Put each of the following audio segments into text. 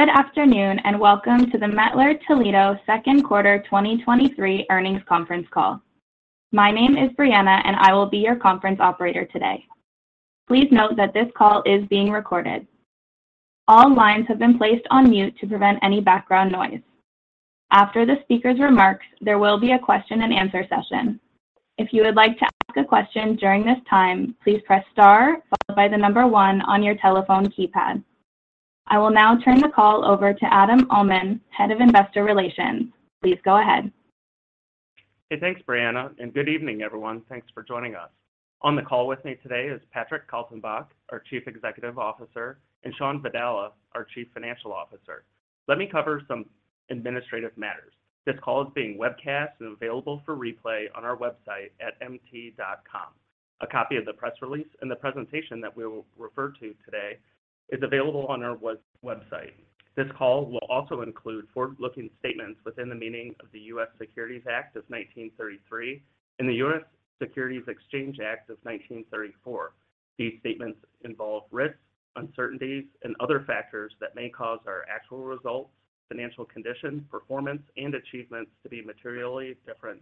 Good afternoon, and welcome to the Mettler-Toledo second quarter 2023 earnings conference call. My name is Brianna, and I will be your conference operator today. Please note that this call is being recorded. All lines have been placed on mute to prevent any background noise. After the speaker's remarks, there will be a Q&A session. If you would like to ask a question during this time, please press Star, followed by one on your telephone keypad. I will now turn the call over to Adam Uhlman, Head of Investor Relations. Please go ahead. Hey, thanks, Brianna, good evening, everyone. Thanks for joining us. On the call with me today is Patrick Kaltenbach, our Chief Executive Officer, and Shawn Vadala, our Chief Financial Officer. Let me cover some administrative matters. This call is being webcast and available for replay on our website at mt.com. A copy of the press release and the presentation that we will refer to today is available on our website. This call will also include forward-looking statements within the meaning of the U.S. Securities Act of 1933 and the U.S. Securities Exchange Act of 1934. These statements involve risks, uncertainties, and other factors that may cause our actual results, financial conditions, performance, and achievements to be materially different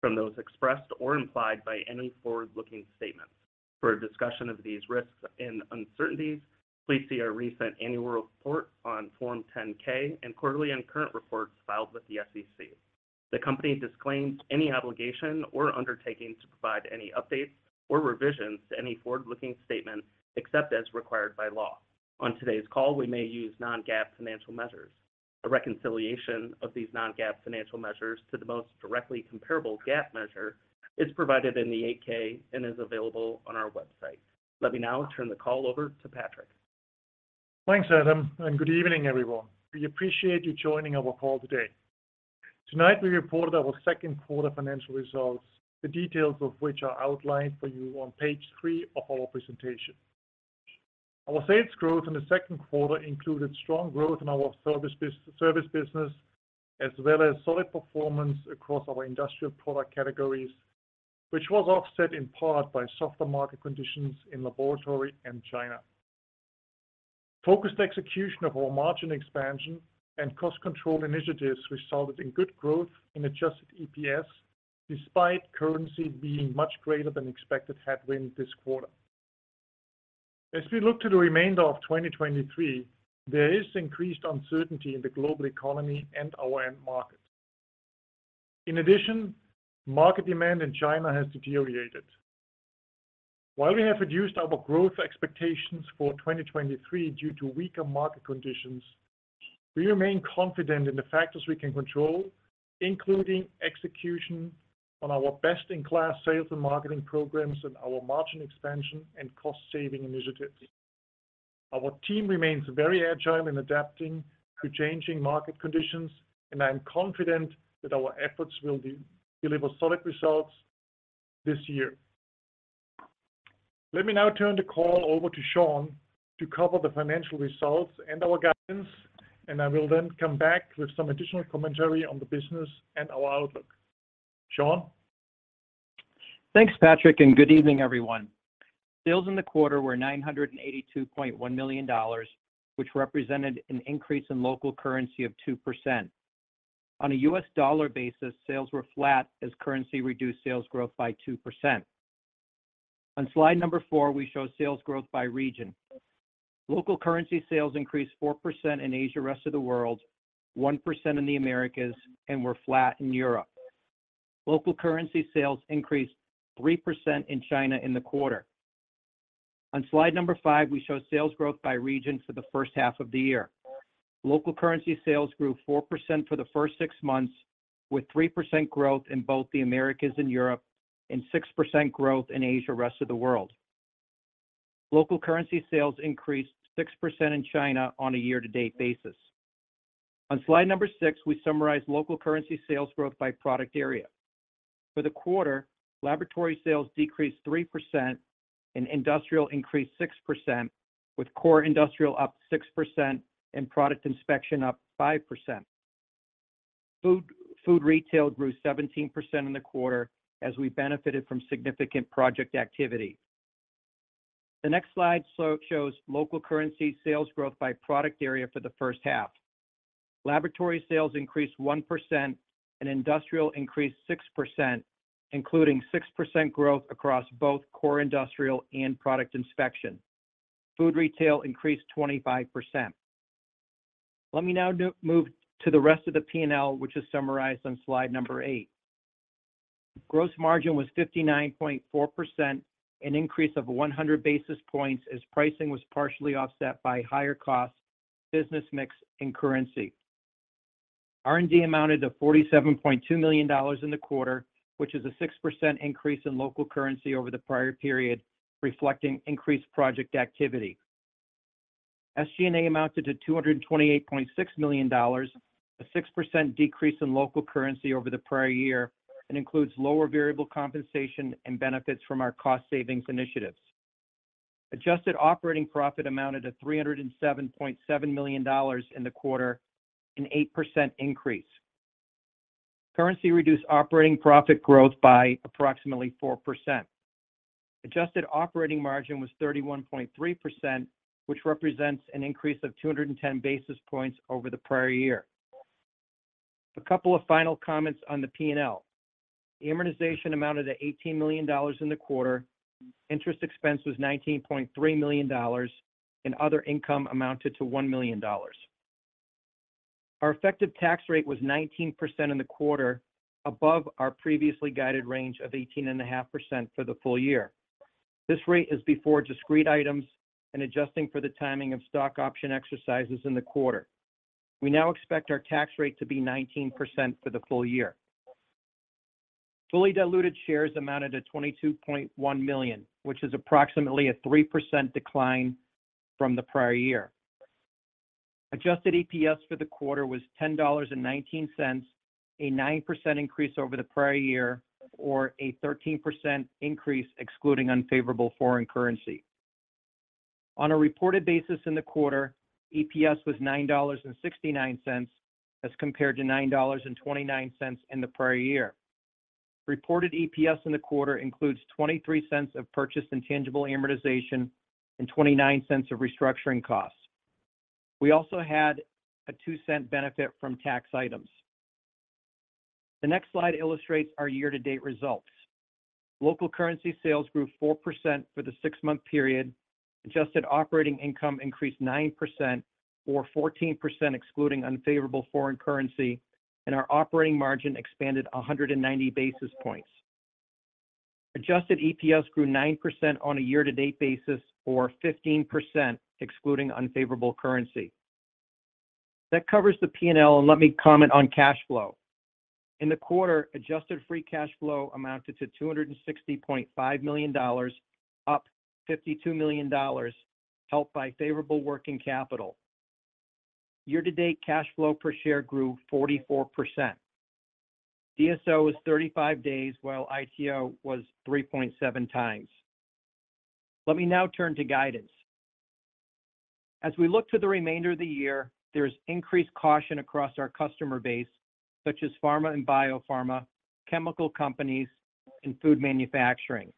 from those expressed or implied by any forward-looking statements. For a discussion of these risks and uncertainties, please see our recent annual report on Form 10-K and quarterly and current reports filed with the SEC. The company disclaims any obligation or undertaking to provide any updates or revisions to any forward-looking statements, except as required by law. On today's call, we may use non-GAAP financial measures. A reconciliation of these non-GAAP financial measures to the most directly comparable GAAP measure is provided in the 8-K and is available on our website. Let me now turn the call over to Patrick. Thanks, Adam. Good evening, everyone. We appreciate you joining our call today. Tonight, we reported our second quarter financial results, the details of which are outlined for you on page three of our presentation. Our sales growth in the second quarter included strong growth in our service business, as well as solid performance across our industrial product categories, which was offset in part by softer market conditions in laboratory and China. Focused execution of our margin expansion and cost control initiatives resulted in good growth in adjusted EPS, despite currency being much greater than expected headwind this quarter. As we look to the remainder of 2023, there is increased uncertainty in the global economy and our end markets. In addition, market demand in China has deteriorated. While we have reduced our growth expectations for 2023 due to weaker market conditions, we remain confident in the factors we can control, including execution on our best-in-class sales and marketing programs and our margin expansion and cost-saving initiatives. Our team remains very agile in adapting to changing market conditions, and I am confident that our efforts will de-deliver solid results this year. Let me now turn the call over to Shawn to cover the financial results and our guidance, and I will then come back with some additional commentary on the business and our outlook. Shawn? Thanks, Patrick, and good evening, everyone. Sales in the quarter were $982.1 million, which represented an increase in local currency of 2%. On a U.S. dollar basis, sales were flat as currency reduced sales growth by 2%. On slide number four, we show sales growth by region. Local currency sales increased 4% in Asia, rest of the world, 1% in the Americas, and were flat in Europe. Local currency sales increased 3% in China in the quarter. On slide number five, we show sales growth by region for the first half of the year. Local currency sales grew 4% for the first six months, with 3% growth in both the Americas and Europe, and 6% growth in Asia, rest of the world. Local currency sales increased 6% in China on a year-to-date basis. On slide number six, we summarize local currency sales growth by product area. For the quarter, laboratory sales decreased 3%, and industrial increased 6%, with core industrial up 6% and product inspection up 5%. Food, food retail grew 17% in the quarter as we benefited from significant project activity. The next slide shows local currency sales growth by product area for the first half. Laboratory sales increased 1%, and industrial increased 6%, including 6% growth across both core industrial and product inspection. Food retail increased 25%. Let me now move to the rest of the P&L, which is summarized on slide number eight. Gross margin was 59.4%, an increase of 100 basis points, as pricing was partially offset by higher costs, business mix, and currency. R&D amounted to $47.2 million in the quarter, which is a 6% increase in local currency over the prior period, reflecting increased project activity. SG&A amounted to $228.6 million, a 6% decrease in local currency over the prior year and includes lower variable compensation and benefits from our cost savings initiatives. Adjusted operating profit amounted to $307.7 million in the quarter, an 8% increase. Currency reduced operating profit growth by approximately 4%. Adjusted operating margin was 31.3%, which represents an increase of 210 basis points over the prior year. A couple of final comments on the P&L. The amortization amounted to $18 million in the quarter, interest expense was $19.3 million, and other income amounted to $1 million. Our effective tax rate was 19% in the quarter, above our previously guided range of 18.5% for the full year. This rate is before discrete items and adjusting for the timing of stock option exercises in the quarter. We now expect our tax rate to be 19% for the full year. Fully diluted shares amounted to 22.1 million, which is approximately a 3% decline from the prior year. Adjusted EPS for the quarter was $10.19, a 9% increase over the prior year, or a 13% increase excluding unfavorable foreign currency. On a reported basis in the quarter, EPS was $9.69, as compared to $9.29 in the prior year. Reported EPS in the quarter includes $0.23 of purchase and tangible amortization, and $0.29 of restructuring costs. We also had a $0.02 benefit from tax items. The next slide illustrates our year-to-date results. Local currency sales grew 4% for the six-month period. Adjusted operating income increased 9% or 14%, excluding unfavorable foreign currency, and our operating margin expanded 190 basis points. Adjusted EPS grew 9% on a year-to-date basis, or 15%, excluding unfavorable currency. That covers the P&L. Let me comment on cash flow. In the quarter, adjusted free cash flow amounted to $260.5 million, up $52 million, helped by favorable working capital. Year-to-date cash flow per share grew 44%. DSO was 35 days, while ITO was 3.7 times. Let me now turn to guidance. As we look to the remainder of the year, there's increased caution across our customer base, such as pharma and biopharma, chemical companies, and food manufacturing.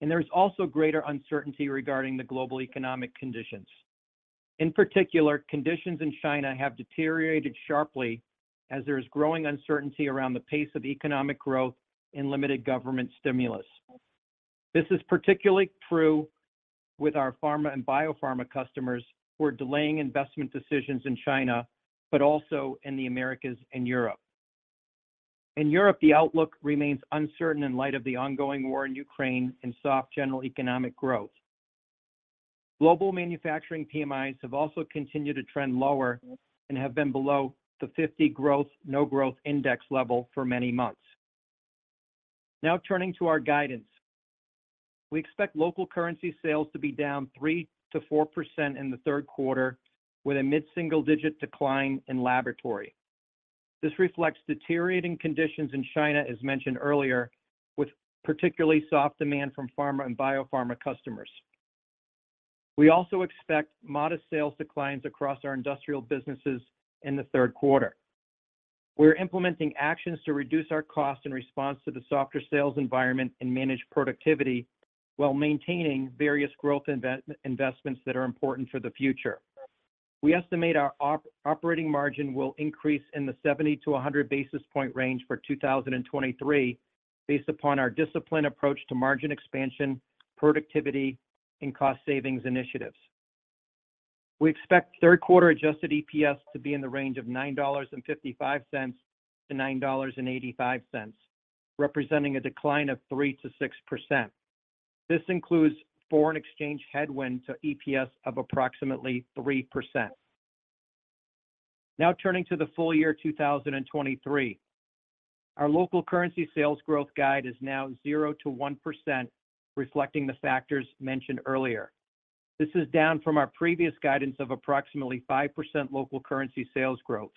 There's also greater uncertainty regarding the global economic conditions. In particular, conditions in China have deteriorated sharply as there is growing uncertainty around the pace of economic growth and limited government stimulus. This is particularly true with our pharma and biopharma customers, who are delaying investment decisions in China, but also in the Americas and Europe. In Europe, the outlook remains uncertain in light of the ongoing war in Ukraine and soft general economic growth. Global manufacturing PMIs have also continued to trend lower and have been below the 50 growth, no growth index level for many months. Now, turning to our guidance. We expect local currency sales to be down 3%-4% in the third quarter, with a mid-single-digit decline in laboratory. This reflects deteriorating conditions in China, as mentioned earlier, with particularly soft demand from pharma and biopharma customers. We also expect modest sales declines across our industrial businesses in the third quarter. We're implementing actions to reduce our costs in response to the softer sales environment and manage productivity while maintaining various growth investments that are important for the future. We estimate our operating margin will increase in the 70-100 basis point range for 2023, based upon our disciplined approach to margin expansion, productivity, and cost savings initiatives. We expect third quarter adjusted EPS to be in the range of $9.55-$9.85, representing a decline of 3%-6%. This includes foreign exchange headwind to EPS of approximately 3%. Turning to the full year 2023. Our local currency sales growth guide is now 0%-1%, reflecting the factors mentioned earlier. This is down from our previous guidance of approximately 5% local currency sales growth.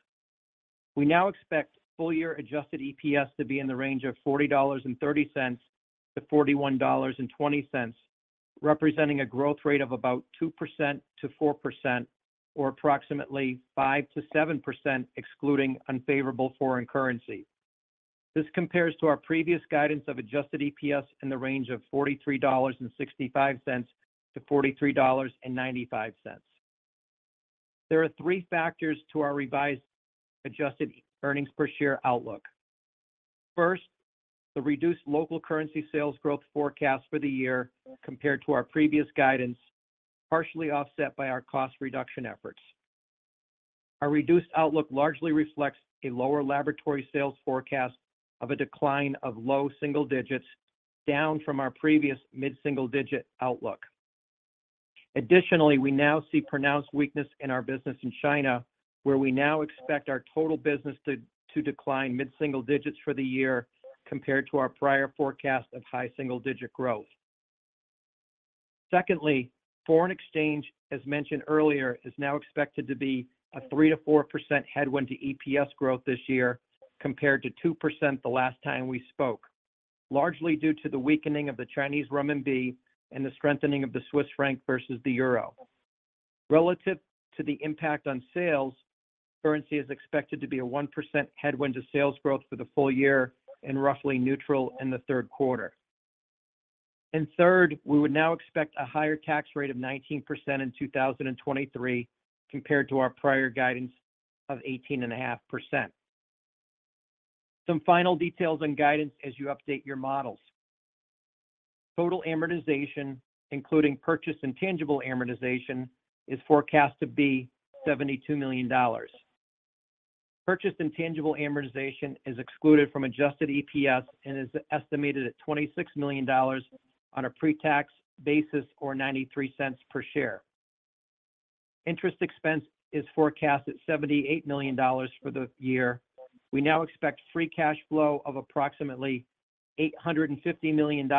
We now expect full year adjusted EPS to be in the range of $40.30-$41.20, representing a growth rate of about 2%-4% or approximately 5%-7%, excluding unfavorable foreign currency. This compares to our previous guidance of adjusted EPS in the range of $43.65-$43.95. There are three factors to our revised adjusted earnings per share outlook. First, the reduced local currency sales growth forecast for the year compared to our previous guidance, partially offset by our cost reduction efforts. Our reduced outlook largely reflects a lower laboratory sales forecast of a decline of low single digits, down from our previous mid-single-digit outlook. Additionally, we now see pronounced weakness in our business in China, where we now expect our total business to decline mid-single digits for the year compared to our prior forecast of high single-digit growth. Secondly, foreign exchange, as mentioned earlier, is now expected to be a 3%-4% headwind to EPS growth this year, compared to 2% the last time we spoke, largely due to the weakening of the Chinese renminbi and the strengthening of the Swiss franc versus the euro. Relative to the impact on sales, currency is expected to be a 1% headwind to sales growth for the full year and roughly neutral in the third quarter. Third, we would now expect a higher tax rate of 19% in 2023, compared to our prior guidance of 18.5%. Some final details and guidance as you update your models. Total amortization, including purchase and tangible amortization, is forecast to be $72 million. Purchased intangible amortization is excluded from adjusted EPS and is estimated at $26 million on a pre-tax basis, or $0.93 per share. Interest expense is forecast at $78 million for the year. We now expect free cash flow of approximately $850 million,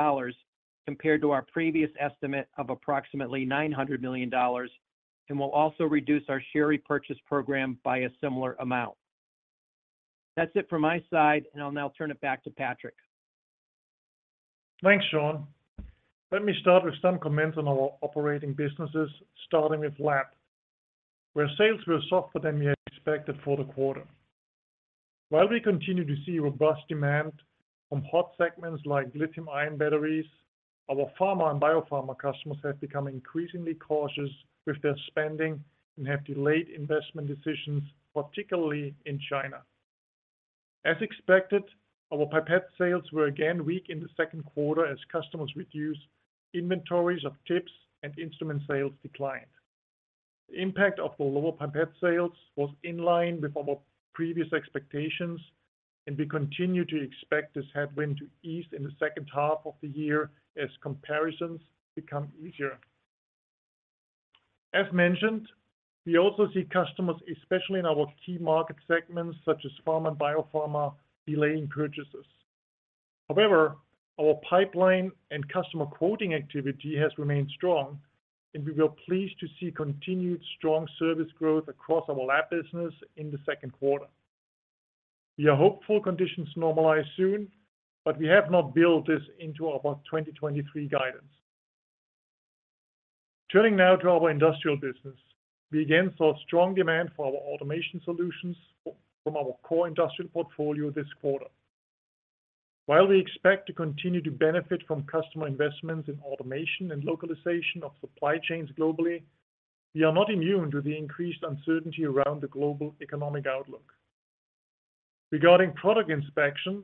compared to our previous estimate of approximately $900 million. We'll also reduce our share repurchase program by a similar amount. That's it from my side. I'll now turn it back to Patrick. Thanks, Shawn. Let me start with some comments on our operating businesses, starting with Lab, where sales were softer than we expected for the quarter. While we continue to see robust demand from hot segments like lithium-ion batteries, our pharma and biopharma customers have become increasingly cautious with their spending and have delayed investment decisions, particularly in China. As expected, our pipette sales were again weak in the second quarter as customers reduced inventories of tips and instrument sales declined. The impact of the lower pipette sales was in line with our previous expectations, and we continue to expect this headwind to ease in the second half of the year as comparisons become easier. As mentioned, we also see customers, especially in our key market segments such as pharma and biopharma, delaying purchases. However, our pipeline and customer quoting activity has remained strong, and we were pleased to see continued strong service growth across our lab business in the second quarter. We are hopeful conditions normalize soon, but we have not built this into our 2023 guidance. Turning now to our industrial business. We again saw strong demand for our automation solutions from our core industrial portfolio this quarter. While we expect to continue to benefit from customer investments in automation and localization of supply chains globally, we are not immune to the increased uncertainty around the global economic outlook. Regarding product inspection,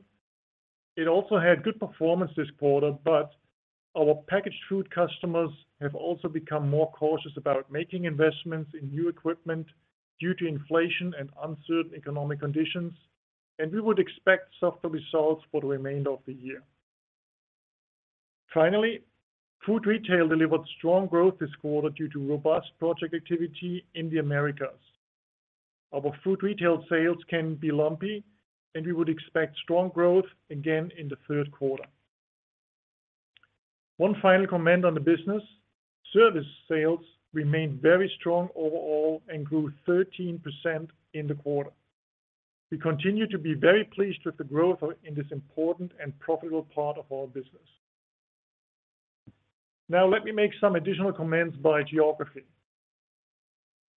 it also had good performance this quarter, but our packaged food customers have also become more cautious about making investments in new equipment due to inflation and uncertain economic conditions, and we would expect softer results for the remainder of the year. Food retail delivered strong growth this quarter due to robust project activity in the Americas. Our food retail sales can be lumpy, and we would expect strong growth again in the third quarter. One final comment on the business: service sales remained very strong overall and grew 13% in the quarter. We continue to be very pleased with the growth in this important and profitable part of our business. Let me make some additional comments by geography.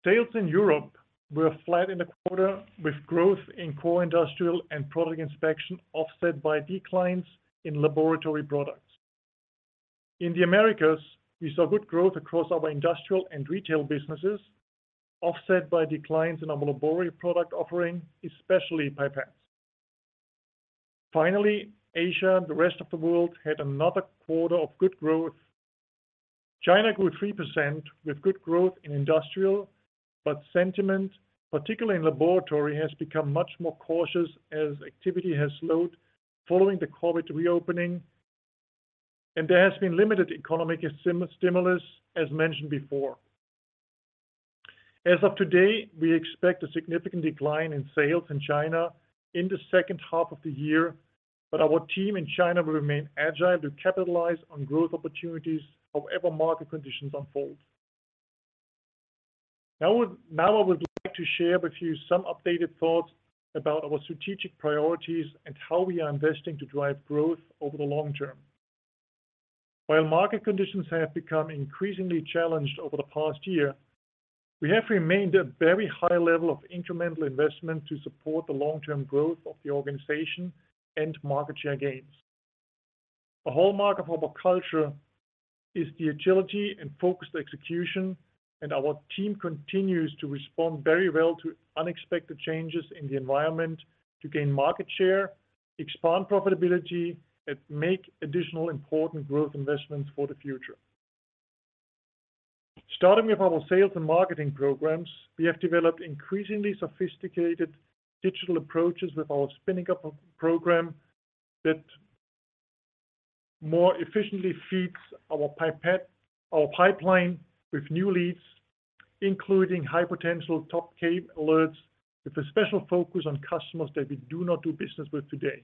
Sales in Europe were flat in the quarter, with growth in core industrial and product inspection offset by declines in laboratory products. In the Americas, we saw good growth across our industrial and retail businesses, offset by declines in our laboratory product offering, especially pipettes. Asia and the rest of the world had another quarter of good growth. China grew 3%, with good growth in industrial, sentiment, particularly in laboratory, has become much more cautious as activity has slowed following the COVID reopening, and there has been limited economic stimulus, as mentioned before. As of today, we expect a significant decline in sales in China in the second half of the year, our team in China will remain agile to capitalize on growth opportunities however market conditions unfold. Now I would like to share with you some updated thoughts about our strategic priorities and how we are investing to drive growth over the long term. While market conditions have become increasingly challenged over the past year, we have remained a very high level of incremental investment to support the long-term growth of the organization and market share gains. A hallmark of our culture is the agility and focused execution, and our team continues to respond very well to unexpected changes in the environment to gain market share, expand profitability, and make additional important growth investments for the future. Starting with our sales and marketing programs, we have developed increasingly sophisticated digital approaches with our spinning up of program that more efficiently feeds our pipeline with new leads, including high potential Top-K alerts, with a special focus on customers that we do not do business with today.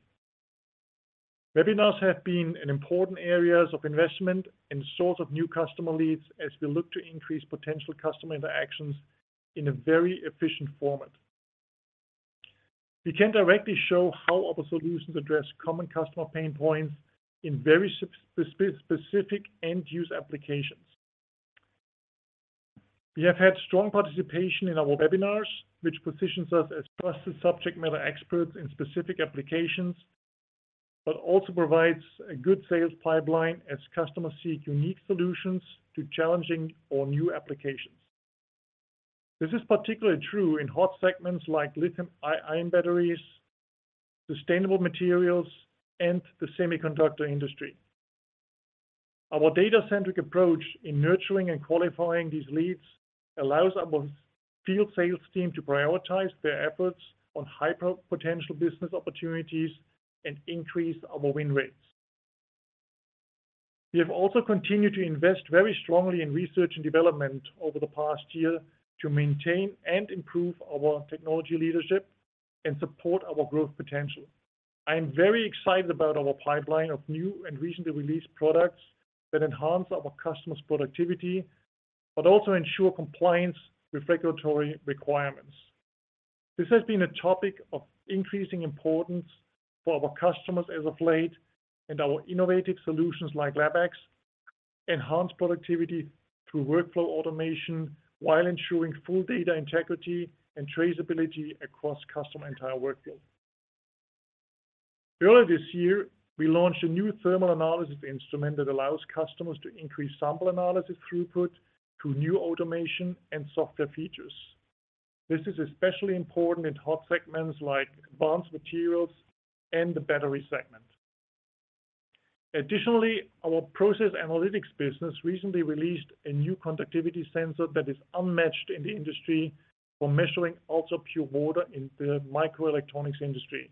Webinars have been an important areas of investment and source of new customer leads as we look to increase potential customer interactions in a very efficient format. We can directly show how our solutions address common customer pain points in very specific end-use applications. We have had strong participation in our webinars, which positions us as trusted subject matter experts in specific applications, but also provides a good sales pipeline as customers seek unique solutions to challenging or new applications. This is particularly true in hot segments like lithium-ion batteries, sustainable materials, and the semiconductor industry. Our data-centric approach in nurturing and qualifying these leads allows our field sales team to prioritize their efforts on high-potential business opportunities and increase our win rates. We have also continued to invest very strongly in research and development over the past year to maintain and improve our technology leadership and support our growth potential. I am very excited about our pipeline of new and recently released products that enhance our customers' productivity, but also ensure compliance with regulatory requirements. This has been a topic of increasing importance for our customers as of late, and our innovative solutions, like LabX, enhance productivity through workflow automation while ensuring full data integrity and traceability across customer entire workflow. Earlier this year, we launched a new thermal analysis instrument that allows customers to increase sample analysis throughput through new automation and software features. This is especially important in hot segments like advanced materials and the battery segment. Additionally, our process analytics business recently released a new conductivity sensor that is unmatched in the industry for measuring ultrapure water in the microelectronics industry,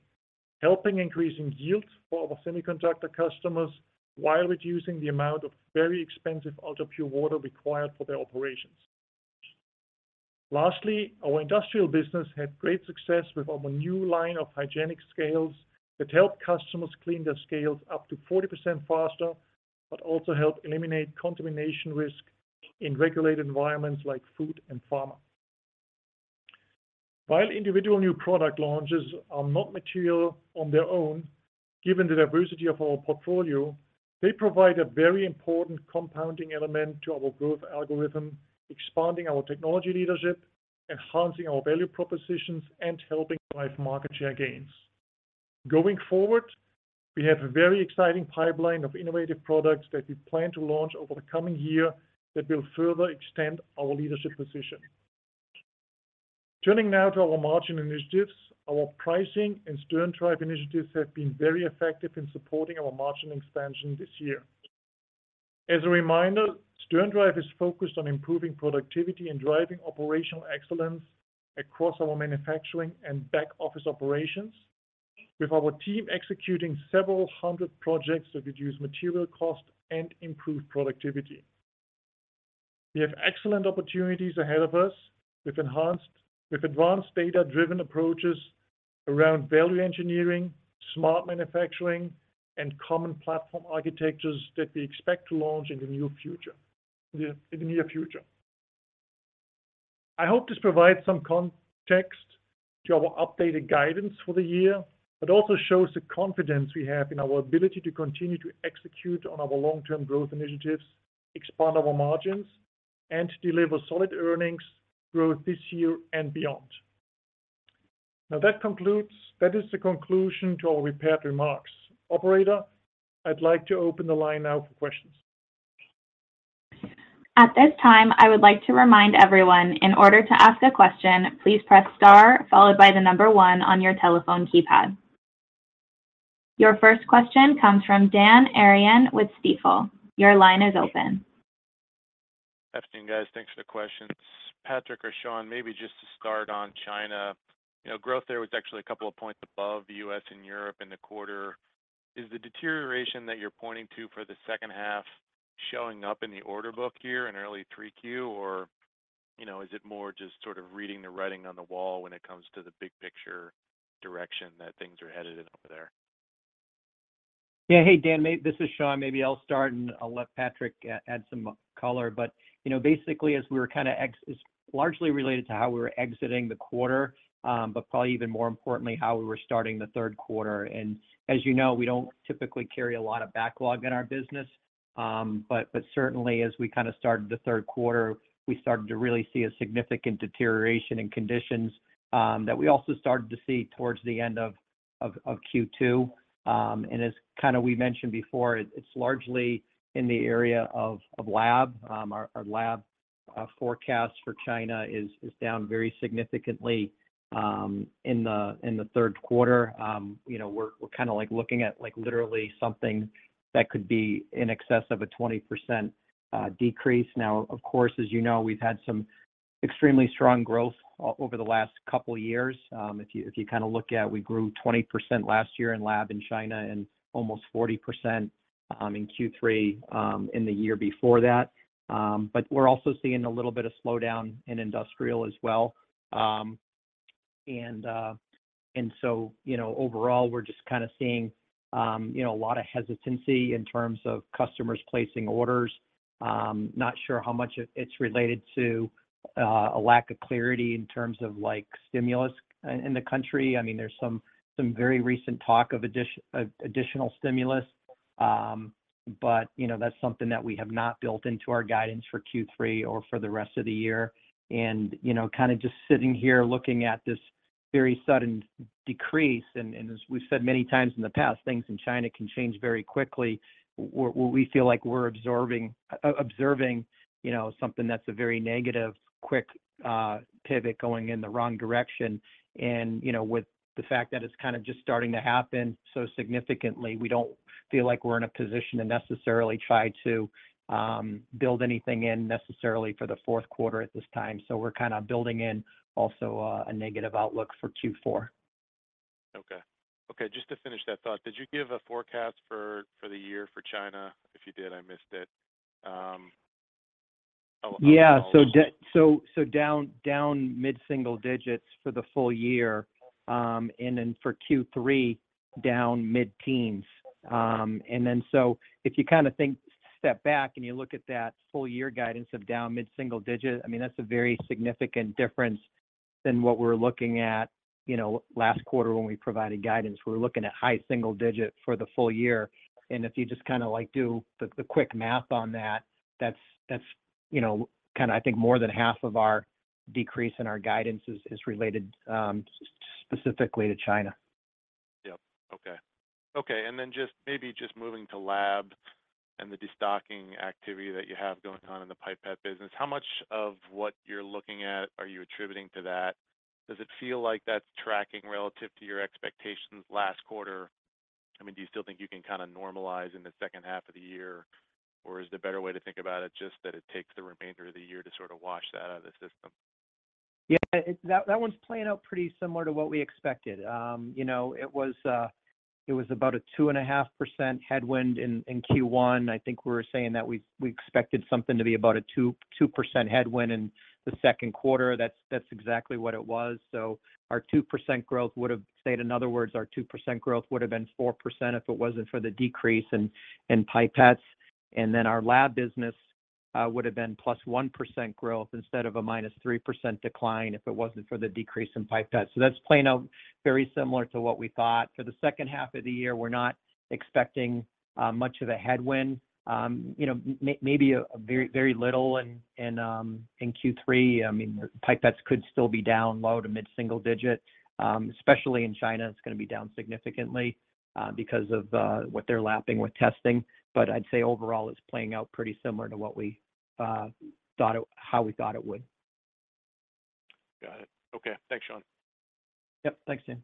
helping increasing yields for our semiconductor customers while reducing the amount of very expensive ultrapure water required for their operations. Lastly, our industrial business had great success with our new line of hygienic scales that help customers clean their scales up to 40% faster, but also help eliminate contamination risk in regulated environments like food and pharma. While individual new product launches are not material on their own, given the diversity of our portfolio, they provide a very important compounding element to our growth algorithm, expanding our technology leadership, enhancing our value propositions, and helping drive market share gains. Going forward, we have a very exciting pipeline of innovative products that we plan to launch over the coming year that will further extend our leadership position. Turning now to our margin initiatives, our pricing and SternDrive initiatives have been very effective in supporting our margin expansion this year. As a reminder, SternDrive is focused on improving productivity and driving operational excellence across our manufacturing and back-office operations, with our team executing several hundred projects to reduce material cost and improve productivity. We have excellent opportunities ahead of us with enhanced with advanced data-driven approaches around value engineering, smart manufacturing, and common platform architectures that we expect to launch in the near future, in the near future. I hope this provides some context to our updated guidance for the year, also shows the confidence we have in our ability to continue to execute on our long-term growth initiatives, expand our margins, and deliver solid earnings growth this year and beyond. That is the conclusion to our prepared remarks. Operator, I'd like to open the line now for questions. At this time, I would like to remind everyone, in order to ask a question, please press star followed by the number one on your telephone keypad. Your first question comes from Dan Arias with Stifel. Your line is open. Good afternoon, guys. Thanks for the questions. Patrick or Shawn, maybe just to start on China. You know, growth there was actually a couple of points above U.S. and Europe in the quarter. Is the deterioration that you're pointing to for the second half showing up in the order book here in early 3Q? You know, is it more just sort of reading the writing on the wall when it comes to the big picture direction that things are headed in over there? Yeah. Hey, Dan, this is Shawn. Maybe I'll start, and I'll let Patrick add some color. You know, basically, as we were kind of exiting the quarter, but probably even more importantly, how we were starting the third quarter. As you know, we don't typically carry a lot of backlog in our business, but certainly, as we kind of started the third quarter, we started to really see a significant deterioration in conditions that we also started to see towards the end of Q2. As kind of we mentioned before, it's largely in the area of lab. Our lab forecast for China is down very significantly in the third quarter. You know, we're, we're kind of looking at, literally something that could be in excess of a 20% decrease. Of course, as you know, we've had some extremely strong growth over the last couple of years. If you, if you kind of look at, we grew 20% last year in lab in China and almost 40% in Q3 in the year before that. We're also seeing a little bit of slowdown in industrial as well. You know, overall, we're just kind of seeing, you know, a lot of hesitancy in terms of customers placing orders. Not sure how much it, it's related to a lack of clarity in terms of stimulus in the country. I mean, there's some, some very recent talk of additional stimulus. You know, that's something that we have not built into our guidance for Q3 or for the rest of the year. You know, kind of just sitting here, looking at this very sudden decrease, and as we've said many times in the past, things in China can change very quickly. We feel like we're observing, you know, something that's a very negative, quick pivot going in the wrong direction. You know, with the fact that it's kind of just starting to happen so significantly, we don't feel like we're in a position to necessarily try to build anything in necessarily for the fourth quarter at this time. We're kind of building in also, a negative outlook for Q4. Okay. Okay, just to finish that thought, did you give a forecast for, for the year for China? If you did, I missed it. How Yeah, down, down mid-single digits for the full year, and then for Q3, down mid-teens. If you kind of think, step back, and you look at that full year guidance of down mid-single digit, I mean, that's a very significant difference than what we're looking at, you know, last quarter when we provided guidance. We're looking at high single digit for the full year, and if you just kind of, like, do the, the quick math on that, that's, that's, you know, kind of, I think more than half of our decrease in our guidance is, is related specifically to China. Yep. Okay. Then just, maybe just moving to lab and the destocking activity that you have going on in the pipette business, how much of what you're looking at are you attributing to that? Does it feel like that's tracking relative to your expectations last quarter? I mean, do you still think you can kind of normalize in the second half of the year, or is the better way to think about it just that it takes the remainder of the year to sort of wash that out of the system? Yeah, that, that one's playing out pretty similar to what we expected. you know, it was about a 2.5% headwind in Q1. I think we were saying that we expected something to be about a 2% headwind in the second quarter. That's exactly what it was. Our 2% growth would've, say, in other words, our 2% growth would've been 4% if it wasn't for the decrease in pipettes. Then our lab business would've been +1% growth instead of a -3% decline if it wasn't for the decrease in pipettes. That's playing out very similar to what we thought. For the second half of the year, we're not expecting much of a headwind. you know, maybe a very, very little in, in Q3. I mean, pipettes could still be down low to mid-single digit. Especially in China, it's going to be down significantly, because of what they're lapping with testing. I'd say overall, it's playing out pretty similar to what we thought it- how we thought it would. Got it. Okay. Thanks, Shawn. Yep, thanks, Dan.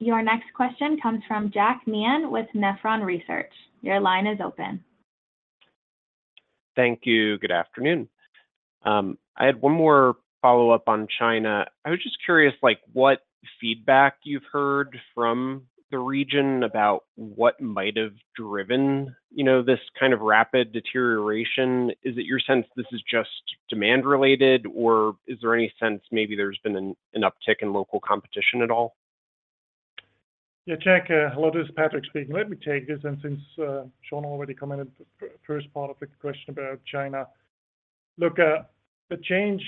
Your next question comes from Jack Meehan with Nephron Research. Your line is open. Thank you. Good afternoon. I had one more follow-up on China. I was just curious, like, what feedback you've heard from the region about what might have driven, you know, this kind of rapid deterioration. Is it your sense this is just demand related, or is there any sense maybe there's been an uptick in local competition at all? Yeah, Jack, hello, this is Patrick speaking. Let me take this, and since Shawn already commented the first part of the question about China. Look, the change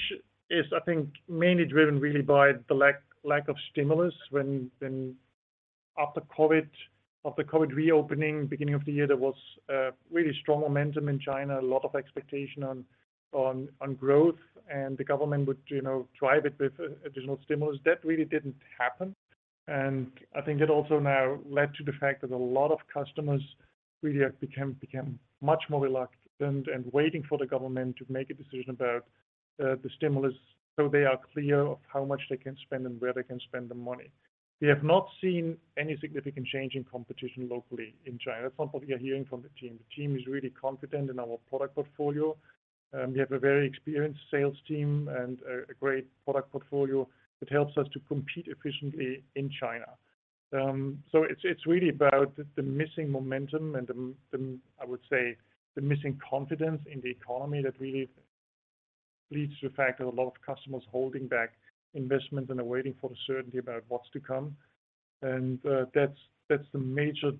is, I think, mainly driven really by the lack of stimulus. When after COVID, after COVID reopening, beginning of the year, there was really strong momentum in China, a lot of expectation on growth, and the government would, you know, drive it with additional stimulus. That really didn't happen, and I think it also now led to the fact that a lot of customers really became much more reluctant and waiting for the government to make a decision about the stimulus, so they are clear of how much they can spend and where they can spend the money. We have not seen any significant change in competition locally in China. That's not what we are hearing from the team. The team is really confident in our product portfolio, and we have a very experienced sales team and a, a great product portfolio that helps us to compete efficiently in China. So it's, it's really about the missing momentum and the, I would say, the missing confidence in the economy that really leads to the fact that a lot of customers holding back investments and are waiting for the certainty about what's to come. That's, that's the major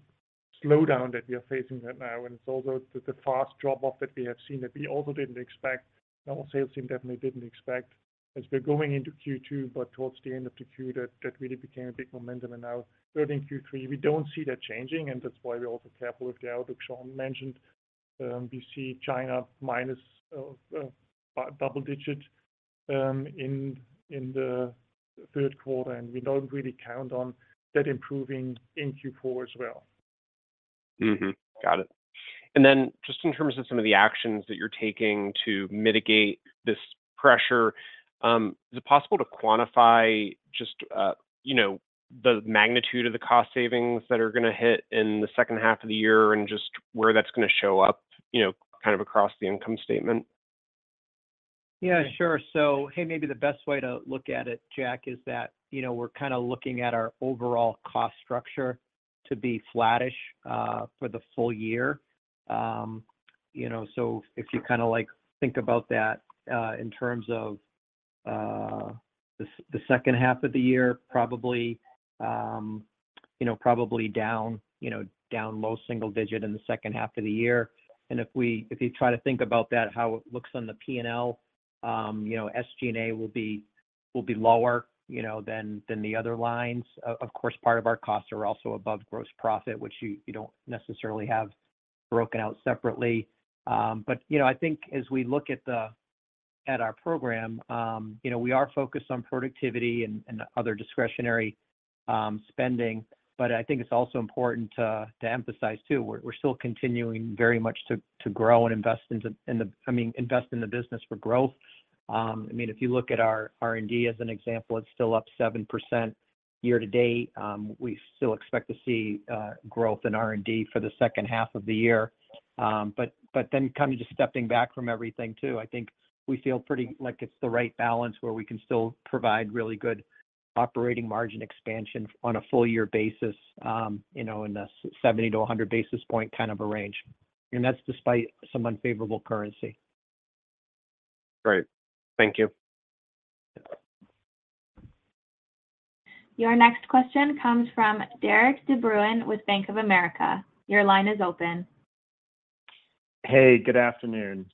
slowdown that we are facing right now, and it's also the, the fast drop-off that we have seen that we also didn't expect. Our sales team definitely didn't expect as we're going into Q2, but towards the end of Q2, that, that really became a big momentum. Now, starting Q3, we don't see that changing, and that's why we're also careful with the outlook Shawn mentioned. We see China minus double-digit in the third quarter, and we don't really count on that improving in Q4 as well. Mm-hmm. Got it. Then just in terms of some of the actions that you're taking to mitigate this pressure, is it possible to quantify just, you know, the magnitude of the cost savings that are going to hit in the second half of the year and just where that's going to show up, you know, kind of across the income statement? Yeah, sure. Hey, maybe the best way to look at it, Jack, is that, you know, we're kind of looking at our overall cost structure to be flattish for the full year. You know, if you kind of, like, think about that, in terms-... the, the second half of the year, probably, you know, probably down, you know, down low single digit in the second half of the year. If we- if you try to think about that, how it looks on the P&L, you know, SG&A will be, will be lower, you know, than, than the other lines. Of, of course, part of our costs are also above gross profit, which you, you don't necessarily have broken out separately. You know, I think as we look at at our program, you know, we are focused on productivity and, and other discretionary, spending. I think it's also important to, to emphasize too, we're, we're still continuing very much to, to grow and invest I mean, invest in the business for growth. I mean, if you look at our R&D as an example, it's still up 7% year-to-date. We still expect to see growth in R&D for the second half of the year. Then kind of just stepping back from everything too, I think we feel pretty like it's the right balance, where we can still provide really good operating margin expansion on a full-year basis, you know, in a 70-100 basis point kind of a range. That's despite some unfavorable currency. Great. Thank you. Your next question comes from Derik De Bruin with Bank of America. Your line is open. Hey, good afternoon.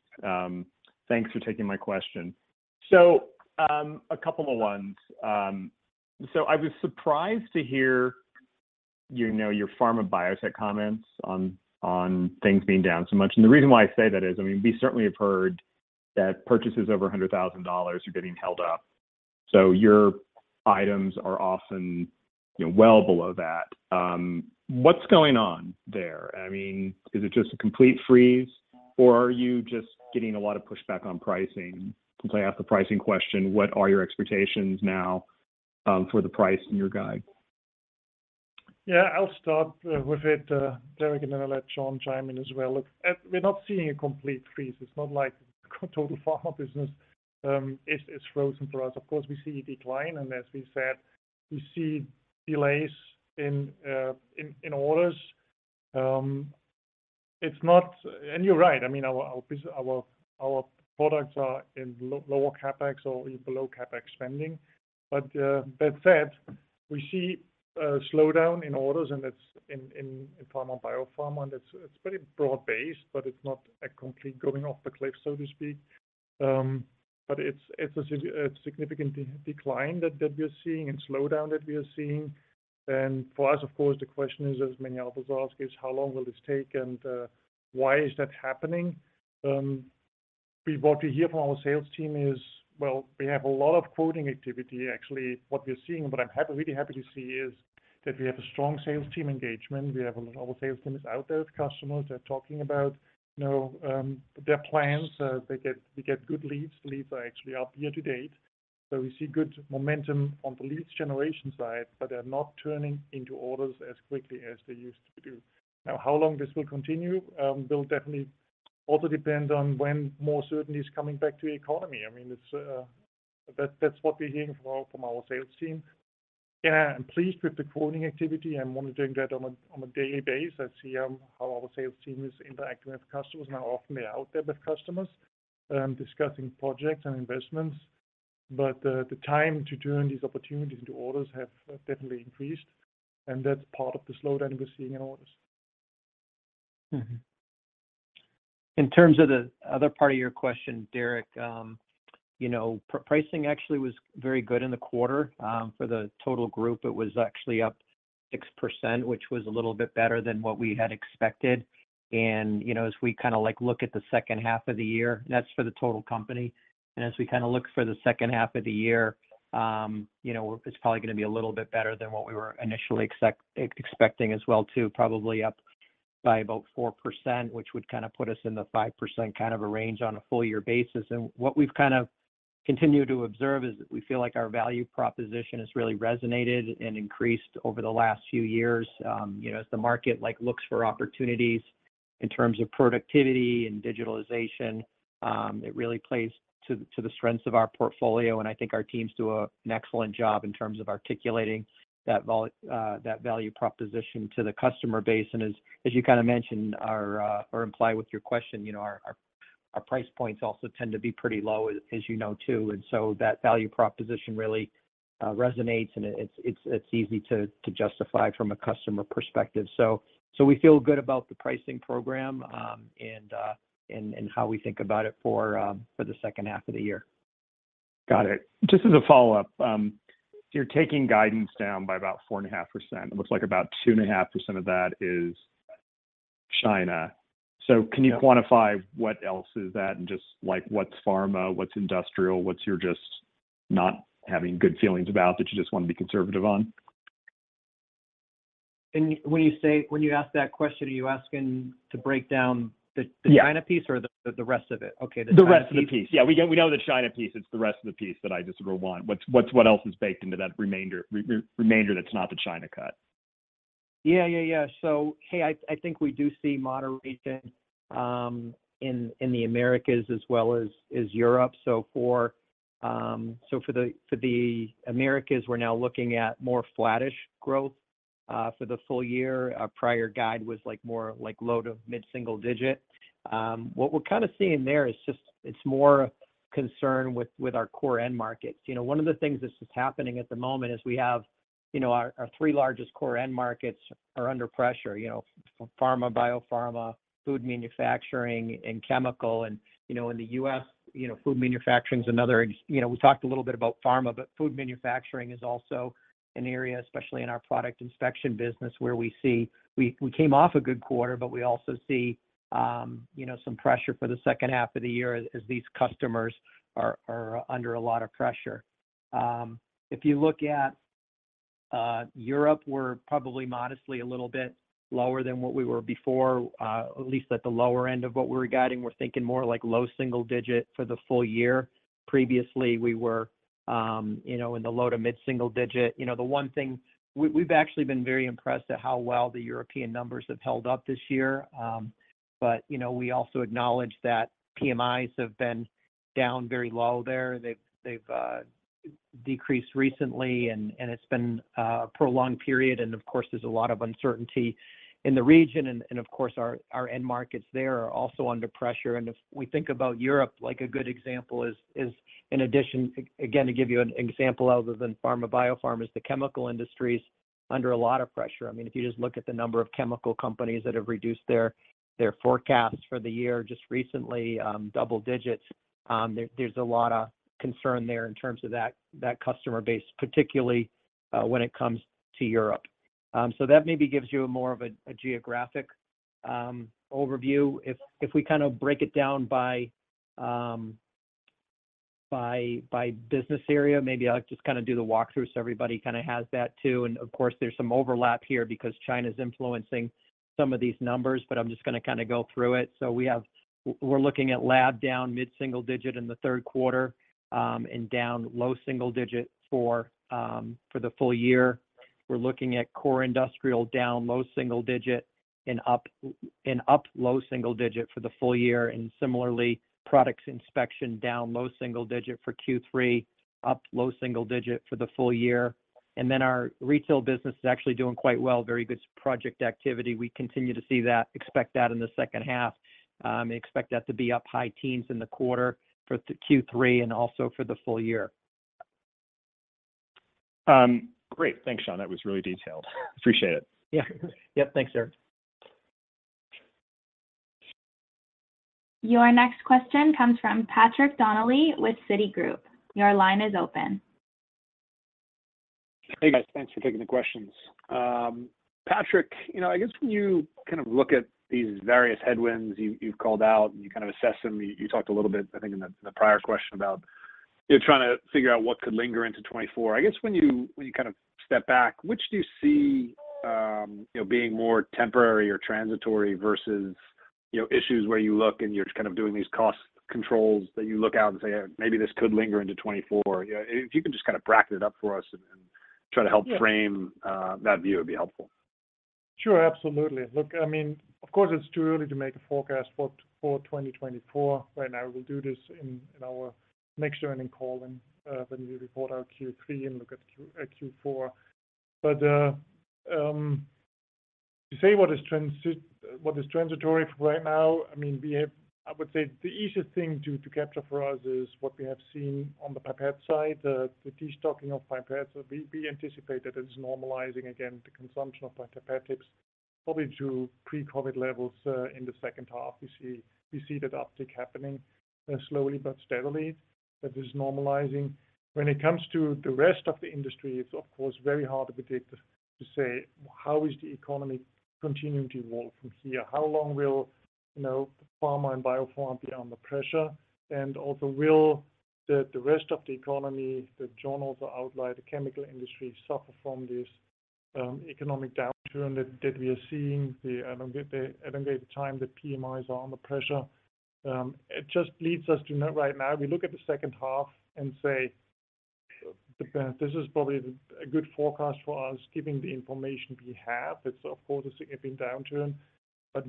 Thanks for taking my question. A couple of ones. I was surprised to hear, you know, your pharma biotech comments on, on things being down so much. The reason why I say that is, I mean, we certainly have heard that purchases over $100,000 are getting held up. Your items are often, you know, well below that. What's going on there? I mean, is it just a complete freeze, or are you just getting a lot of pushback on pricing? To play off the pricing question, what are your expectations now, for the price in your guide? Yeah, I'll start with it, Derek, and then I'll let Shawn chime in as well. Look, we're not seeing a complete freeze. It's not like total pharma business is, is frozen for us. Of course, we see a decline, and as we said, we see delays in, in, in orders. It's not... You're right, I mean, our, our products are in lower CapEx or below CapEx spending. That said, we see a slowdown in orders, and it's in, in, in pharma, biopharma, and it's, it's pretty broad-based, but it's not a complete going off the cliff, so to speak. It's, it's a significant decline that, that we are seeing and slowdown that we are seeing. For us, of course, the question is, as many others ask, is: How long will this take, and why is that happening? What we hear from our sales team is, well, we have a lot of quoting activity. Actually, what we're seeing, what I'm really happy to see, is that we have a strong sales team engagement. We have our sales team is out there with customers. They're talking about, you know, their plans. They get good leads. Leads are actually up year to date. We see good momentum on the leads generation side, but they're not turning into orders as quickly as they used to do. How long this will continue, will definitely also depend on when more certainty is coming back to the economy. I mean, it's, that's what we're hearing from our, from our sales team. Yeah, I'm pleased with the quoting activity. I'm monitoring that on a, on a daily basis. I see, how our sales team is interacting with customers and how often they're out there with customers, discussing projects and investments. The time to turn these opportunities into orders have definitely increased, and that's part of the slowdown we're seeing in orders. Mm-hmm. In terms of the other part of your question, Derek, you know, pricing actually was very good in the quarter. For the total group, it was actually up 6%, which was a little bit better than what we had expected. You know, as we kind of like, look at the second half of the year, that's for the total company. As we kind of look for the second half of the year, you know, it's probably gonna be a little bit better than what we were initially expecting as well too, probably up by about 4%, which would kind of put us in the 5% kind of a range on a full year basis. What we've kind of continued to observe is that we feel like our value proposition has really resonated and increased over the last few years. You know, as the market like, looks for opportunities in terms of productivity and digitalization, it really plays to, to the strengths of our portfolio. I think our teams do a, an excellent job in terms of articulating that value proposition to the customer base. As, as you kind of mentioned, or, or implied with your question, you know, our, our, our price points also tend to be pretty low, as, as you know, too. That value proposition really resonates, and it's, it's easy to, to justify from a customer perspective. so we feel good about the pricing program, and, and, how we think about it for the second half of the year. Got it. Just as a follow-up, you're taking guidance down by about 4.5%. It looks like about 2.5% of that is China. Yeah. Can you quantify what else is that? Just like, what's pharma, what's industrial, what's your just not having good feelings about that you just want to be conservative on? When you ask that question, are you asking to break down? Yeah ... the China piece or the, the rest of it? Okay, the rest- The rest of the piece. Yeah, we know, we know the China piece. It's the rest of the piece that I just really want. What's, what's, what else is baked into that remainder, re- remainder that's not the China cut? Yeah, yeah, yeah. Hey, I, I think we do see moderation in, in the Americas as well as, as Europe. For the Americas, we're now looking at more flattish growth. ... for the full year, our prior guide was, like, more like low to mid-single digit. What we're kind of seeing there is just, it's more concern with, with our core end markets. You know, one of the things that's just happening at the moment is we have, you know, our, our three largest core end markets are under pressure, you know, pharma, biopharma, food manufacturing, and chemical. You know, in the U.S., you know, food manufacturing is another, you know, we talked a little bit about pharma, but food manufacturing is also an area, especially in our product inspection business, where we, we came off a good quarter, but we also see, you know, some pressure for the second half of the year as, as these customers are, are under a lot of pressure. If you look at Europe, we're probably modestly a little bit lower than what we were before, at least at the lower end of what we were guiding. We're thinking more like low single digit for the full year. Previously, we were, you know, in the low to mid-single digit. You know, the one thing, we've actually been very impressed at how well the European numbers have held up this year. You know, we also acknowledge that PMIs have been down very low there. They've, they've decreased recently, it's been a prolonged period. Of course, there's a lot of uncertainty in the region, of course, our, our end markets there are also under pressure. If we think about Europe, like a good example is, is in addition... Again, to give you an example, other than pharma, biopharma, is the chemical industry is under a lot of pressure. I mean, if you just look at the number of chemical companies that have reduced their, their forecast for the year, just recently, double digits, there's a lot of concern there in terms of that, that customer base, particularly, when it comes to Europe. That maybe gives you a more of a geographic overview. If, if we kind of break it down by business area, maybe I'll just kind of do the walkthrough so everybody kinda has that too. Of course, there's some overlap here because China's influencing some of these numbers, but I'm just gonna kind of go through it. We're looking at lab down mid-single digit in the third quarter and down low single digit for the full year. We're looking at core industrial down low single digit and up low single digit for the full year. Similarly, products inspection down low single digit for Q3, up low single digit for the full year. Our retail business is actually doing quite well. Very good project activity. We continue to see that, expect that in the second half, expect that to be up high teens in the quarter for Q3 and also for the full year. Great. Thanks, Shawn. That was really detailed. Appreciate it. Yeah. Yep, thanks, Derik. Your next question comes from Patrick Donnelly with Citigroup. Your line is open. Hey, guys, thanks for taking the questions. Patrick, you know, I guess when you kind of look at these various headwinds you've, you've called out, and you kind of assess them, you, you talked a little bit, I think, in the, the prior question about, you know, trying to figure out what could linger into 2024. I guess when you, when you kind of step back, which do you see, you know, being more temporary or transitory versus, you know, issues where you look, and you're just kind of doing these cost controls, that you look out and say, "Maybe this could linger into 2024?" Yeah, if you can just kind of bracket it up for us and, and try to help. Yeah... frame, that view, it'd be helpful. Sure, absolutely. Look, I mean, of course, it's too early to make a forecast for, for 2024. Right now, we'll do this in, in our next earnings call when we report our Q3 and look at Q4. To say what is transitory for right now, I mean, we have I would say the easiest thing to, to capture for us is what we have seen on the pipette side, the, the destocking of pipettes. We, we anticipate that it is normalizing again, the consumption of pipettes, probably to pre-COVID levels in the second half. We see, we see that uptick happening, slowly but steadily, that is normalizing. When it comes to the rest of the industry, it's of course, very hard to predict, to, to say, how is the economy continuing to evolve from here? How long will, you know, pharma and biopharma be under pressure? Also, will the, the rest of the economy, the channels, the outlier, the chemical industry, suffer from this economic downturn that, that we are seeing? The PMIs are under pressure. It just leads us to know right now, we look at the second half and say, "This is probably a good forecast for us, given the information we have." It's of course, a significant downturn, but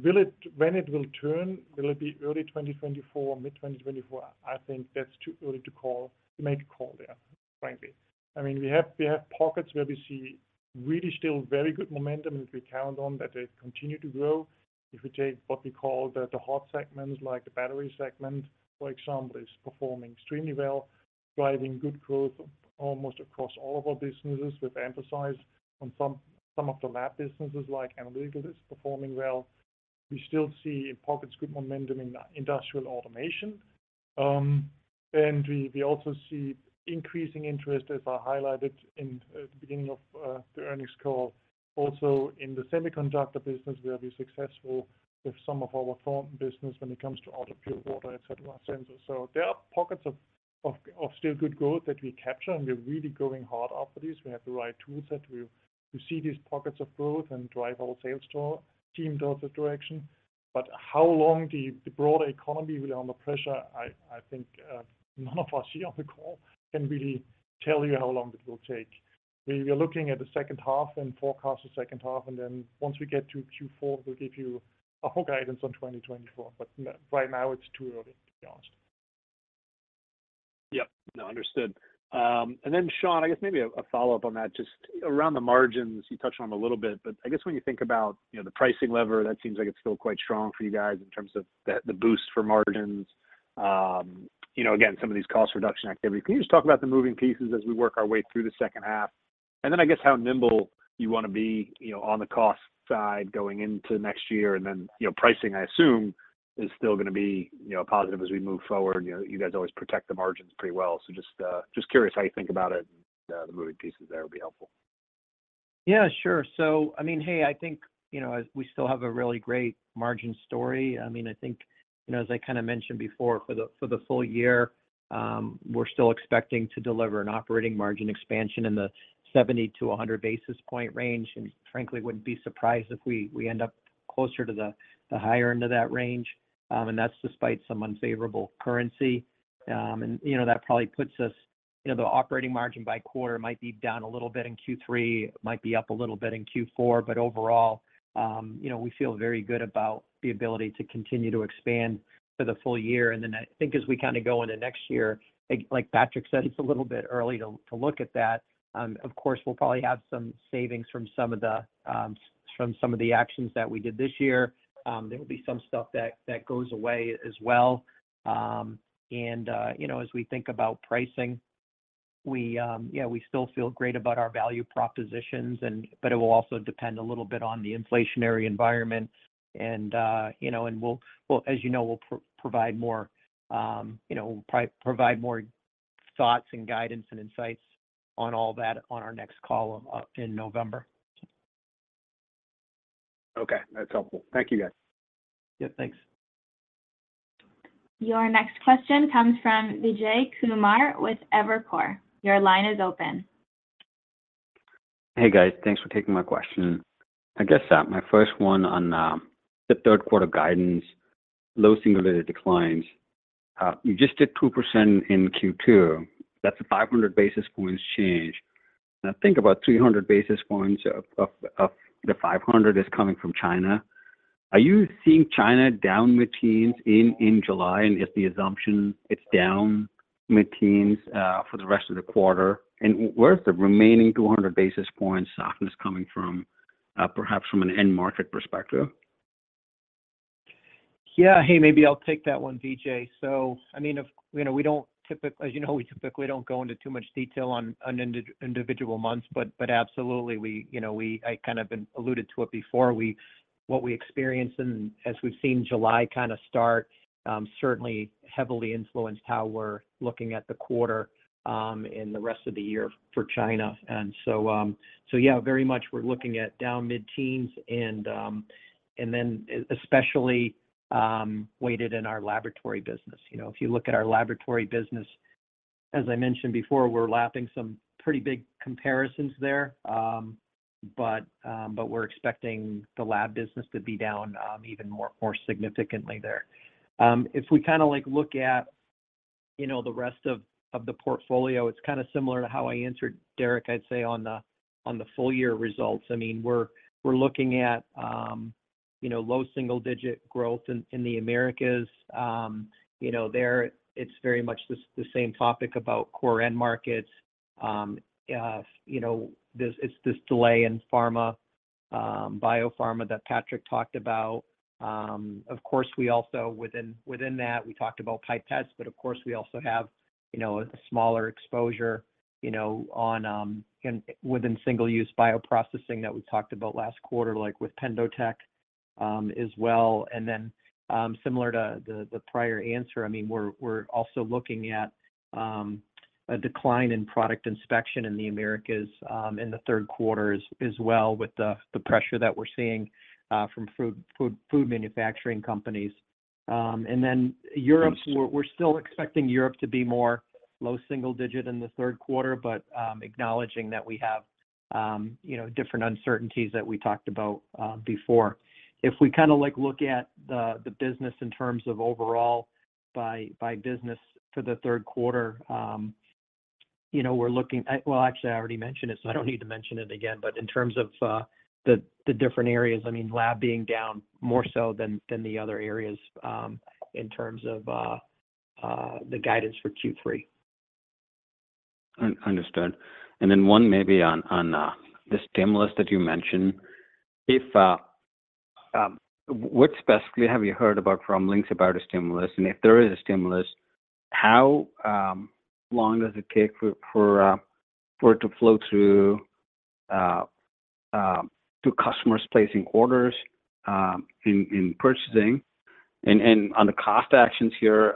when it will turn, will it be early 2024 or mid-2024? I think that's too early to call, to make a call there, frankly. I mean, we have, we have pockets where we see really still very good momentum, and we count on that they continue to grow. If we take what we call the, the hot segments, like the battery segment, for example, is performing extremely well, driving good growth almost across all of our businesses. We've emphasized on some, some of the lab businesses, like analytical, is performing well. We still see pockets, good momentum in i- industrial automation. We, we also see increasing interest, as I highlighted in the beginning of the earnings call. Also, in the semiconductor business, we have been successful with some of our form business when it comes to ultrapure water, et cetera, sensors. So there are pockets of, of, of still good growth that we capture, and we're really going hard after these. We have the right toolset to, to see these pockets of growth and drive our sales store team towards the direction. How long the broader economy will under pressure, I think, none of us here on the call can really tell you how long it will take. We are looking at the second half and forecast the second half, then once we get to Q4, we'll give you a whole guidance on 2024. Right now, it's too early to be honest. Yep. No, understood. Shawn, I guess maybe a follow-up on that, just around the margins. You touched on them a little bit, but I guess when you think about, you know, the pricing lever, that seems like it's still quite strong for you guys in terms of the, the boost for margins, you know, again, some of these cost reduction activities. Can you just talk about the moving pieces as we work our way through the second half? I guess how nimble you want to be, you know, on the cost side, going into next year, and then, you know, pricing, I assume, is still gonna be, you know, positive as we move forward. You know, you guys always protect the margins pretty well. Just curious how you think about it, and the moving pieces there will be helpful. Yeah, sure. I mean, hey, I think, you know, as we still have a really great margin story, I mean, I think, you know, as I kind of mentioned before, for the, for the full year, we're still expecting to deliver an operating margin expansion in the 70-100 basis point range, and frankly, wouldn't be surprised if we end up closer to the higher end of that range. You know, that probably puts us, you know, the operating margin by quarter might be down a little bit in Q3, might be up a little bit in Q4, but overall, you know, we feel very good about the ability to continue to expand for the full year. I think as we kind of go into next year, like, like Patrick said, it's a little bit early to look at that. Of course, we'll probably have some savings from some of the, from some of the actions that we did this year. There will be some stuff that, that goes away as well. You know, as we think about pricing, we, yeah, we still feel great about our value propositions, and, but it will also depend a little bit on the inflationary environment. You know, and we'll as you know, we'll provide more, you know, provide more thoughts and guidance and insights on all that on our next call in November. Okay. That's helpful. Thank you, guys. Yeah, thanks. Your next question comes from Vijay Kumar with Evercore. Your line is open. Hey, guys. Thanks for taking my question. I guess, my first one on the third quarter guidance, low single-digit declines. You just did 2% in Q2. That's a 500 basis points change. I think about 300 basis points of the 500 is coming from China. Are you seeing China down mid-teens in, in July? Is the assumption it's down mid-teens for the rest of the quarter? Where is the remaining 200 basis points softness coming from, perhaps from an end market perspective? Yeah, hey, maybe I'll take that one, Vijay. I mean, you know, we don't as you know, we typically don't go into too much detail on individual months, but absolutely, we, you know, I kind of alluded to it before, what we experienced and as we've seen July kind of start, certainly heavily influenced how we're looking at the quarter and the rest of the year for China. Yeah, very much we're looking at down mid-teens and then especially weighted in our laboratory business. You know, if you look at our laboratory business, as I mentioned before, we're lapping some pretty big comparisons there. But we're expecting the lab business to be down even more, more significantly there. If we kind of, like, look at, you know, the rest of the portfolio, it's kind of similar to how I answered, Derek, I'd say, on the full-year results. I mean, we're looking at, you know, low single-digit growth in the Americas. You know, there, it's very much the same topic about core end markets. You know, this, it's this delay in pharma, biopharma that Patrick talked about. Of course, we also within that, we talked about pipettes, but of course, we also have, you know, a smaller exposure, you know, on, in, within single-use bioprocessing that we talked about last quarter, like with PendoTECH, as well. Then, similar to the, the prior answer, I mean, we're, we're also looking at, a decline in product inspection in the Americas, in the third quarter as, as well, with the, the pressure that we're seeing, from food, food, food manufacturing companies. Then Europe... Thanks. We're, we're still expecting Europe to be more low single-digit in the third quarter, but acknowledging that we have, you know, different uncertainties that we talked about before. If we kind of, like, look at the, the business in terms of overall by, by business for the third quarter, you know, we're looking. Well, actually, I already mentioned it, so I don't need to mention it again. In terms of the, the different areas, I mean, lab being down more so than, than the other areas, in terms of the guidance for Q3. understood. Then one maybe on, on the stimulus that you mentioned. If what specifically have you heard about from links about a stimulus? If there is a stimulus, how long does it take for, for it to flow through to customers placing orders in purchasing? And on the cost actions here,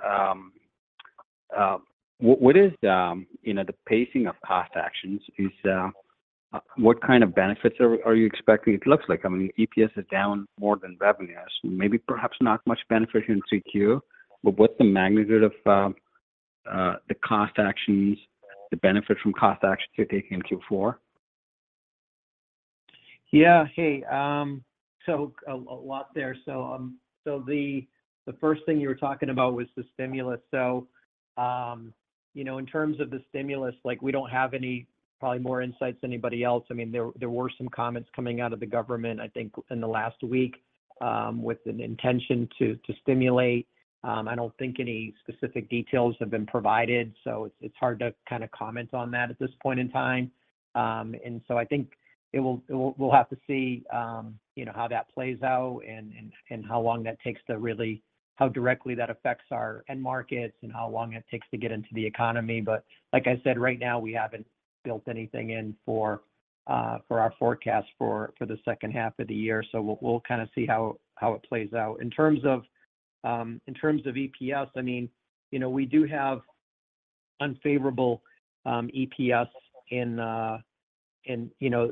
what, what is the, you know, the pacing of cost actions? Is what kind of benefits are, are you expecting? It looks like, I mean, EPS is down more than revenues. Maybe, perhaps not much benefit here in 3Q, but what's the magnitude of the cost actions, the benefit from cost actions you're taking in Q4? Yeah. Hey, a lot there. The first thing you were talking about was the stimulus. You know, in terms of the stimulus, like, we don't have any probably more insights than anybody else. I mean, there, there were some comments coming out of the government, I think, in the last week, with an intention to, to stimulate. I don't think any specific details have been provided, so it's, it's hard to kinda comment on that at this point in time. I think we'll have to see, you know, how that plays out and, and, and how long that takes to really. How directly that affects our end markets and how long it takes to get into the economy. Like I said, right now, we haven't built anything in for, for our forecast for, for the second half of the year. We'll, we'll kinda see how, how it plays out. In terms of, in terms of EPS, I mean, you know, we do have unfavorable EPS in, in, you know,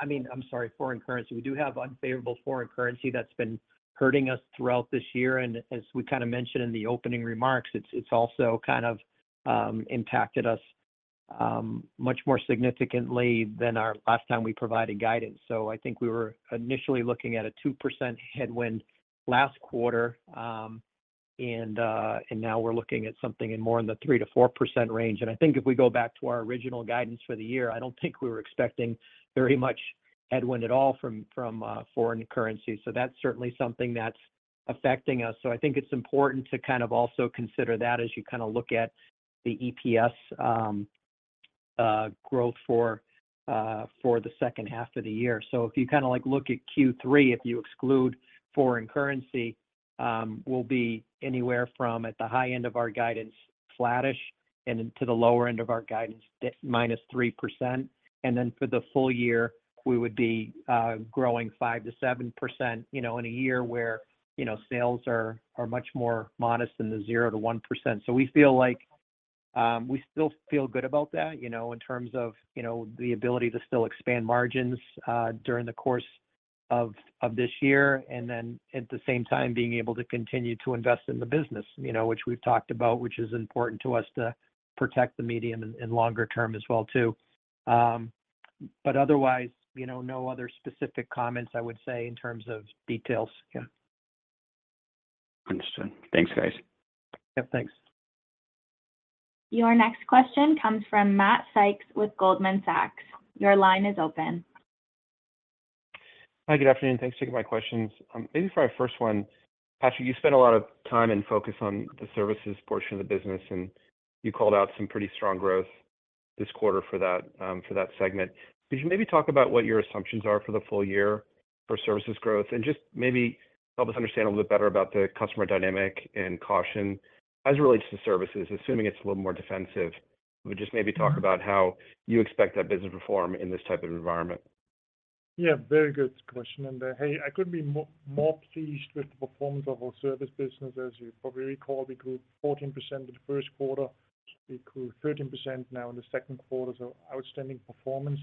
I mean, I'm sorry, foreign currency. We do have unfavorable foreign currency that's been hurting us throughout this year, and as we kinda mentioned in the opening remarks, it's, it's also kind of impacted us much more significantly than our last time we provided guidance. I think we were initially looking at a 2% headwind last quarter, and now we're looking at something in more in the 3%-4% range. I think if we go back to our original guidance for the year, I don't think we were expecting very much headwind at all from, from foreign currency, so that's certainly something that's affecting us. I think it's important to kind of also consider that as you kinda look at the EPS growth for the second half of the year. If you kinda, like, look at Q3, if you exclude foreign currency, we'll be anywhere from, at the high end of our guidance, flattish, and then to the lower end of our guidance, -3%. For the full year, we would be growing 5%-7%, you know, in a year where, you know, sales are, are much more modest than the 0%-1%. We feel like... We still feel good about that, you know, in terms of, you know, the ability to still expand margins, during the course of, of this year, and then at the same time, being able to continue to invest in the business, you know, which we've talked about, which is important to us to protect the medium and, and longer term as well, too. Otherwise, you know, no other specific comments, I would say, in terms of details. Yeah. Understood. Thanks, guys. Yeah, thanks. Your next question comes from Matt Sykes with Goldman Sachs. Your line is open. Hi, good afternoon. Thanks for taking my questions. Maybe for our first one, Patrick, you spent a lot of time and focus on the services portion of the business, and you called out some pretty strong growth this quarter for that, for that segment. Could you maybe talk about what your assumptions are for the full year for services growth? Just maybe help us understand a little bit better about the customer dynamic and caution as it relates to services, assuming it's a little more defensive. Just maybe talk about how you expect that business to perform in this type of environment. Yeah, very good question. Hey, I couldn't be more, more pleased with the performance of our service business. As you probably recall, we grew 14% in the first quarter. We grew 13% now in the second quarter, outstanding performance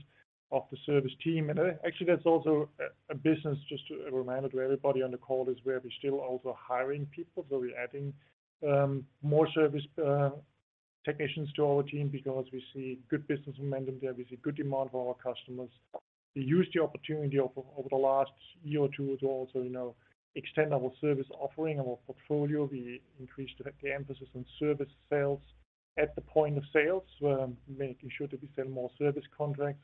of the service team. Actually, that's also a business, just a reminder to everybody on the call, is where we're still also hiring people. We're adding more service technicians to our team because we see good business momentum there. We see good demand for our customers. We used the opportunity over the last year or two to also, you know, extend our service offering, our portfolio. We increased the emphasis on service sales. At the point of sales, making sure that we sell more service contracts.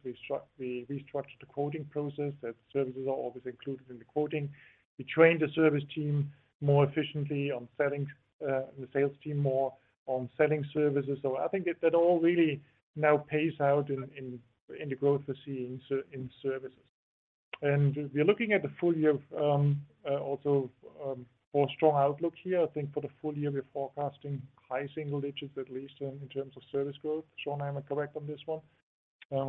We restructured the quoting process, that services are always included in the quoting. We trained the service team more efficiently on selling, the sales team more on selling services. I think that that all really now pays out in, in, in the growth we're seeing in services. We're looking at the full year of, also, for a strong outlook here. I think for the full year, we're forecasting high single digits, at least in terms of service growth. Shawn, am I correct on this one?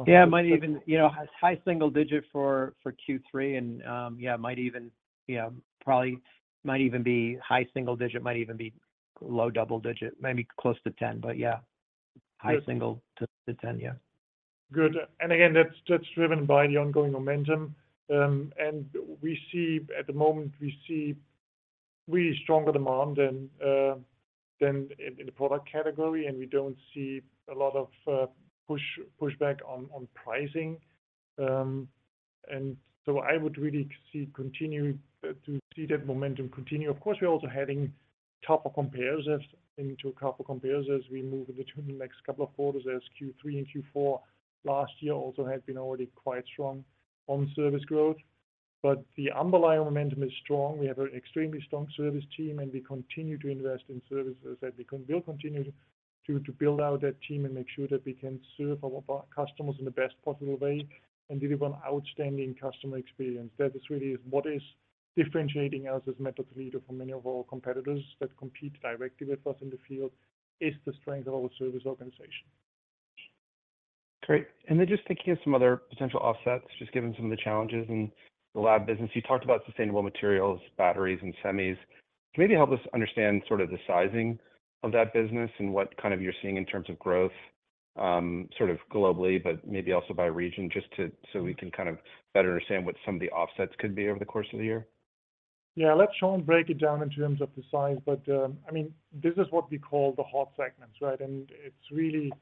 Yeah, might even, you know, high single digit for, for Q3, and, probably might even be high single digit, might even be low double digit, maybe close to 10. But yeah, high single- Good... to 10, yeah. Good. Again, that's, that's driven by the ongoing momentum. At the moment, we see really stronger demand than than in, in the product category, and we don't see a lot of push, pushback on, on pricing. I would really see continuing to see that momentum continue. Of course, we're also having tougher compares into a tougher compares as we move between the next couple of quarters, as Q3 and Q4 last year also had been already quite strong on service growth. The underlying momentum is strong. We have an extremely strong service team, and we continue to invest in services, and we'll continue to, to build out that team and make sure that we can serve our customers in the best possible way and deliver an outstanding customer experience. That is really what is differentiating us as a Mettler-Toledo from many of our competitors that compete directly with us in the field, is the strength of our service organization. Great. Then just thinking of some other potential offsets, just given some of the challenges in the lab business. You talked about sustainable materials, batteries, and semis. Can you maybe help us understand sort of the sizing of that business and what kind of you're seeing in terms of growth, sort of globally, but maybe also by region, so we can kind of better understand what some of the offsets could be over the course of the year? Yeah, let Shawn break it down in terms of the size, but, I mean, this is what we call the hot segments, right? It's really,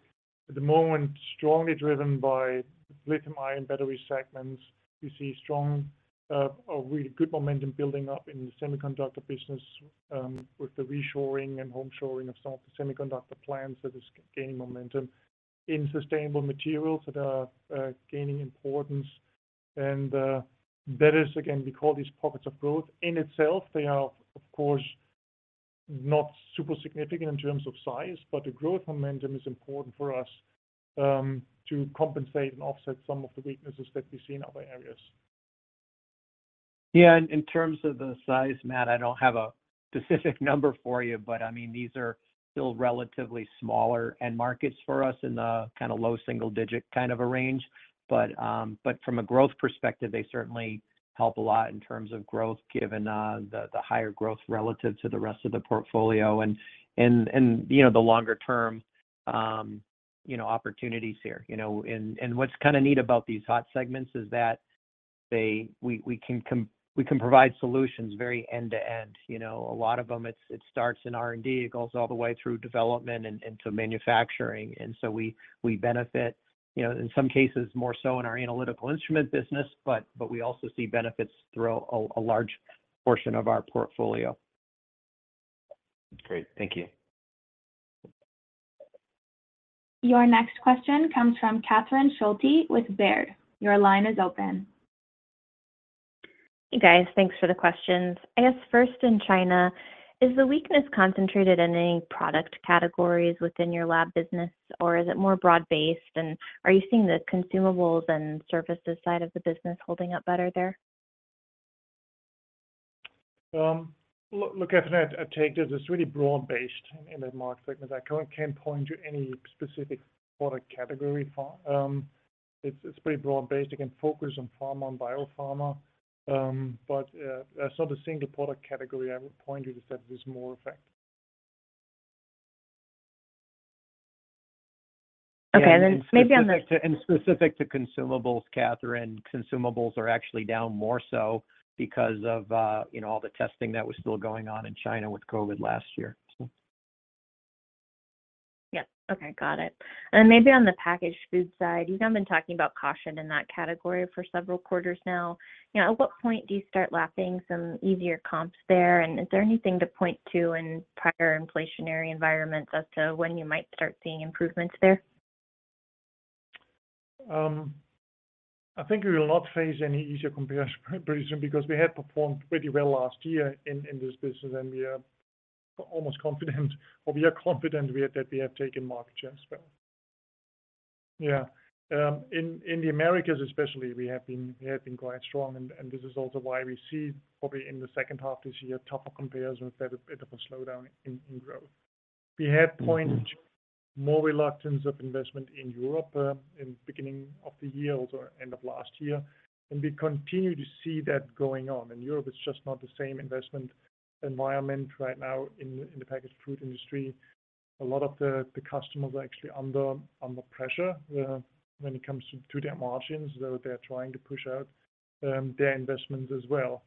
at the moment, strongly driven by lithium-ion battery segments. We see strong, a really good momentum building up in the semiconductor business, with the reshoring and home shoring of some of the semiconductor plants, that is gaining momentum. In sustainable materials that are, gaining importance, and, that is, again, we call these pockets of growth. In itself, they are, of course, not super significant in terms of size, but the growth momentum is important for us, to compensate and offset some of the weaknesses that we see in other areas. Yeah, in terms of the size, Matt, I don't have a specific number for you. I mean, these are still relatively smaller end markets for us in the kind of low double-digit kind of a range. But from a growth perspective, they certainly help a lot in terms of growth, given the higher growth relative to the rest of the portfolio, and, you know, the longer-term, you know, opportunities here, you know? What's kind of neat about these hot segments is that we can provide solutions very end-to-end, you know. A lot of them, it starts in R&D, it goes all the way through development and into manufacturing. We, we benefit, you know, in some cases, more so in our analytical instrument business, but, but we also see benefits through a, a large portion of our portfolio. Great. Thank you. Your next question comes from Catherine Schulte with Baird. Your line is open. Hey, guys. Thanks for the questions. I guess first in China, is the weakness concentrated in any product categories within your lab business, or is it more broad-based? Are you seeing the consumables and services side of the business holding up better there? Look, look, Catherine, I'd take this, it's really broad-based in the market segment. I can't point you to any specific product category for. It's, it's pretty broad-based, again, focused on pharma and biopharma. There's not a single product category I would point you to say it is more effective. Okay, maybe on the- Specific to consumables, Catherine, consumables are actually down more so because of, you know, all the testing that was still going on in China with COVID last year, so. Yeah. Okay, got it. Then maybe on the packaged food side, you've been talking about caution in that category for several quarters now. You know, at what point do you start lapping some easier comps there? Is there anything to point to in prior inflationary environments as to when you might start seeing improvements there? I think we will not face any easier comparison pretty soon because we had performed pretty well last year in, in this business, and we are almost confident, or we are confident that we have taken market share as well. Yeah. In, in the Americas, especially, we have been, we have been quite strong, and, and this is also why we see probably in the second half this year, tougher compares and a bit of a slowdown in, in growth. We had pointed more reluctance of investment in Europe in beginning of the year or end of last year, we continue to see that going on. Europe is just not the same investment environment right now in, in the packaged food industry. A lot of the, the customers are actually under, under pressure, when it comes to, to their margins, so they're trying to push out, their investments as well.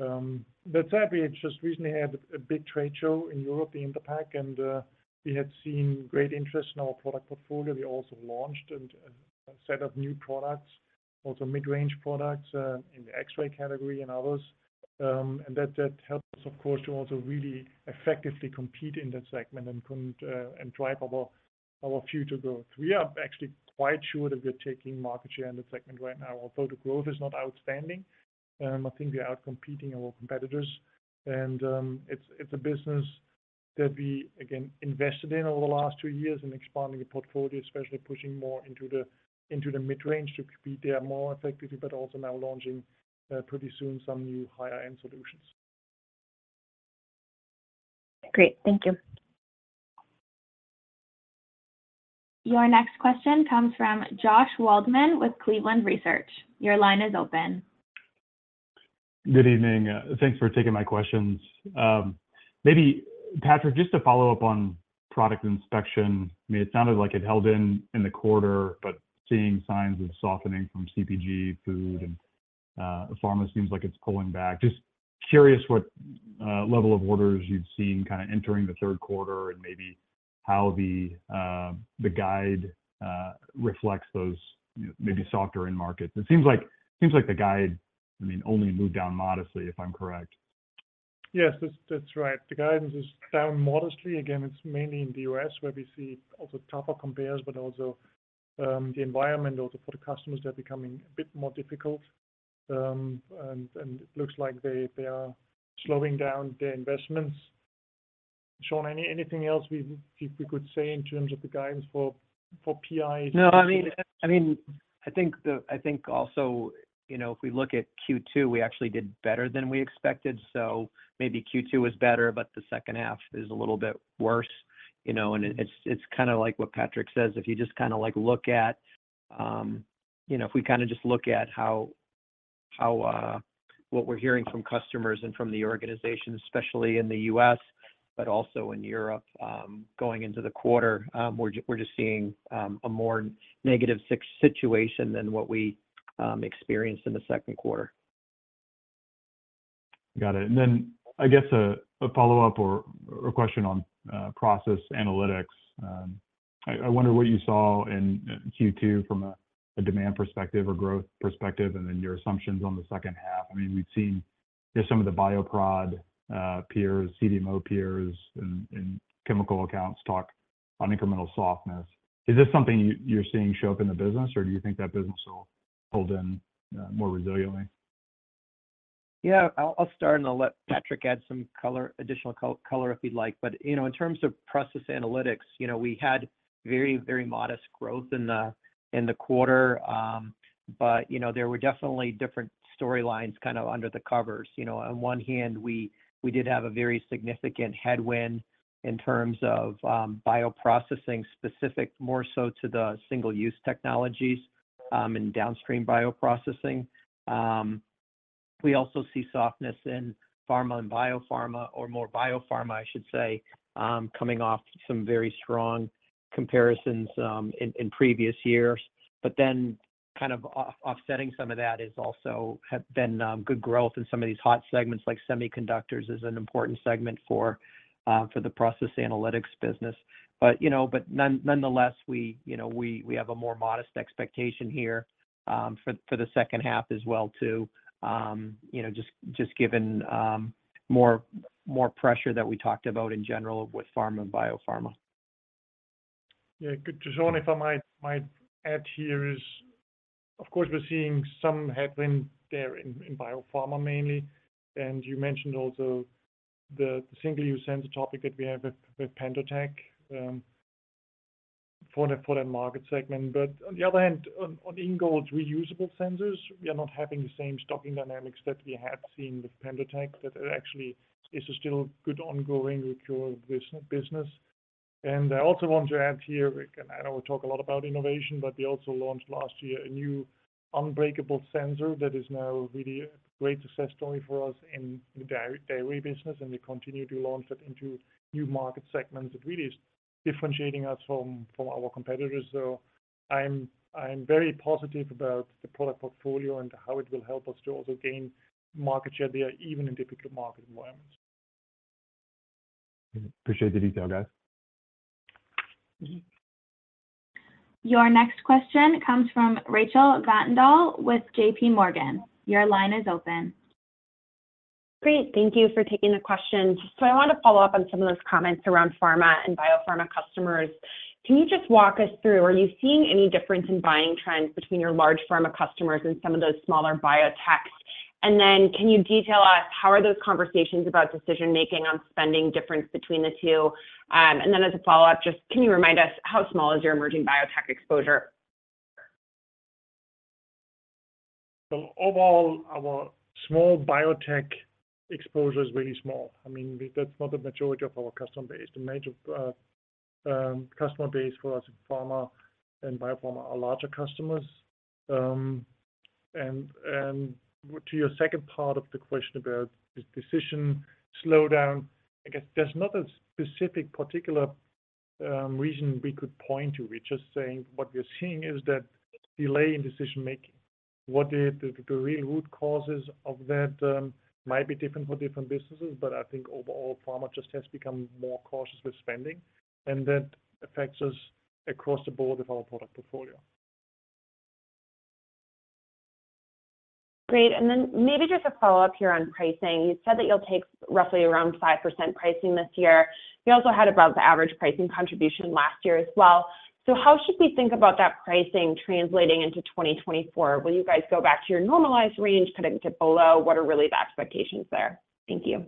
That said, we just recently had a big trade show in Europe, in the pack, and we had seen great interest in our product portfolio. We also launched and, a set of new products, also mid-range products, in the X-ray category and others. That, that helps us, of course, to also really effectively compete in that segment and drive our, our future growth. We are actually quite sure that we're taking market share in the segment right now, although the growth is not outstanding. I think we are outcompeting our competitors, and it's a business that we, again, invested in over the last two years in expanding the portfolio, especially pushing more into the mid-range to compete there more effectively, but also now launching, pretty soon some new higher-end solutions. Great. Thank you. Your next question comes from Josh Waldman with Cleveland Research. Your line is open. Good evening. Thanks for taking my questions. Maybe, Patrick, just to follow up on product inspection, I mean, it sounded like it held in, in the quarter, but seeing signs of softening from CPG, food, and pharma seems like it's pulling back. Just curious what level of orders you've seen kind of entering the third quarter and maybe how the guide reflects those, maybe softer end markets. It seems like, seems like the guide, I mean, only moved down modestly, if I'm correct. Yes, that's, that's right. The guidance is down modestly. Again, it's mainly in the U.S., where we see also tougher compares, but also, the environment also for the customers, they're becoming a bit more difficult. It looks like they, they are slowing down their investments. Shawn, anything else we, we could say in terms of the guidance for, for PI? No, I mean, I mean, I think I think also, you know, if we look at Q2, we actually did better than we expected, so maybe Q2 was better, but the second half is a little bit worse, you know? It's, it's kind of like what Patrick says, if you just kind of like, look at, you know, if we kind of just look at how, how, what we're hearing from customers and from the organization, especially in the U.S. but also in Europe, going into the quarter, we're just seeing a more negative situation than what we experienced in the second quarter. Got it. I guess, a, a follow-up or, or a question on process analytics. I, I wonder what you saw in Q2 from a demand perspective or growth perspective, and then your assumptions on the second half. I mean, we've seen just some of the bioprod peers, CDMO peers, and chemical accounts talk on incremental softness. Is this something you, you're seeing show up in the business, or do you think that business will hold in more resiliently? Yeah. I'll, I'll start, and I'll let Patrick add some color, additional color if he'd like. But, you know, in terms of process analytics, you know, we had very, very modest growth in the, in the quarter. But, you know, there were definitely different storylines kind of under the covers. You know, on one hand, we, we did have a very significant headwind in terms of bioprocessing, specific more so to the single-use technologies, and downstream bioprocessing. We also see softness in pharma and biopharma, or more biopharma, I should say, coming off some very strong comparisons, in, in previous years. But then, kind of offsetting some of that is also have been good growth in some of these hot segments, like semiconductors is an important segment for the process analytics business. you know, but nonetheless, we, you know, we, we have a more modest expectation here, for, for the second half as well too, you know, just, just given, more, more pressure that we talked about in general with pharma and biopharma. Yeah. Good. If I might, might add here is, of course, we're seeing some headwind there in, in biopharma mainly, and you mentioned also the single-use sensor topic that we have with, with PendoTECH, for the, for that market segment. On the other hand, on, on Ingold reusable sensors, we are not having the same stocking dynamics that we had seen with PendoTECH, that it actually is still good ongoing with your business. I also want to add here, Rick, and I know we talk a lot about innovation, but we also launched last year a new unbreakable sensor that is now really a great success story for us in the dairy business, and we continue to launch it into new market segments. It really is differentiating us from, from our competitors. I'm very positive about the product portfolio and how it will help us to also gain market share there, even in difficult market environments. Appreciate the detail, guys. Mm-hmm. Your next question comes from Rachel Vatnsdal with JPMorgan. Your line is open. Great. Thank you for taking the question. I want to follow up on some of those comments around pharma and biopharma customers. Can you just walk us through, are you seeing any difference in buying trends between your large pharma customers and some of those smaller biotechs? Can you detail us, how are those conversations about decision-making on spending difference between the two? As a follow-up, just can you remind us how small is your emerging biotech exposure? Overall, our small biotech exposure is really small. I mean, that's not the majority of our customer base. The major customer base for us in pharma and biopharma are larger customers. To your second part of the question about this decision slowdown, I guess there's not a specific particular reason we could point to. We're just saying what we're seeing is that delay in decision-making. What the, the, the real root causes of that might be different for different businesses, but I think overall, pharma just has become more cautious with spending, and that affects us across the board of our product portfolio. Great. Then maybe just a follow-up here on pricing. You said that you'll take roughly around 5% pricing this year. You also had above-average pricing contribution last year as well. How should we think about that pricing translating into 2024? Will you guys go back to your normalized range, put it below? What are really the expectations there? Thank you.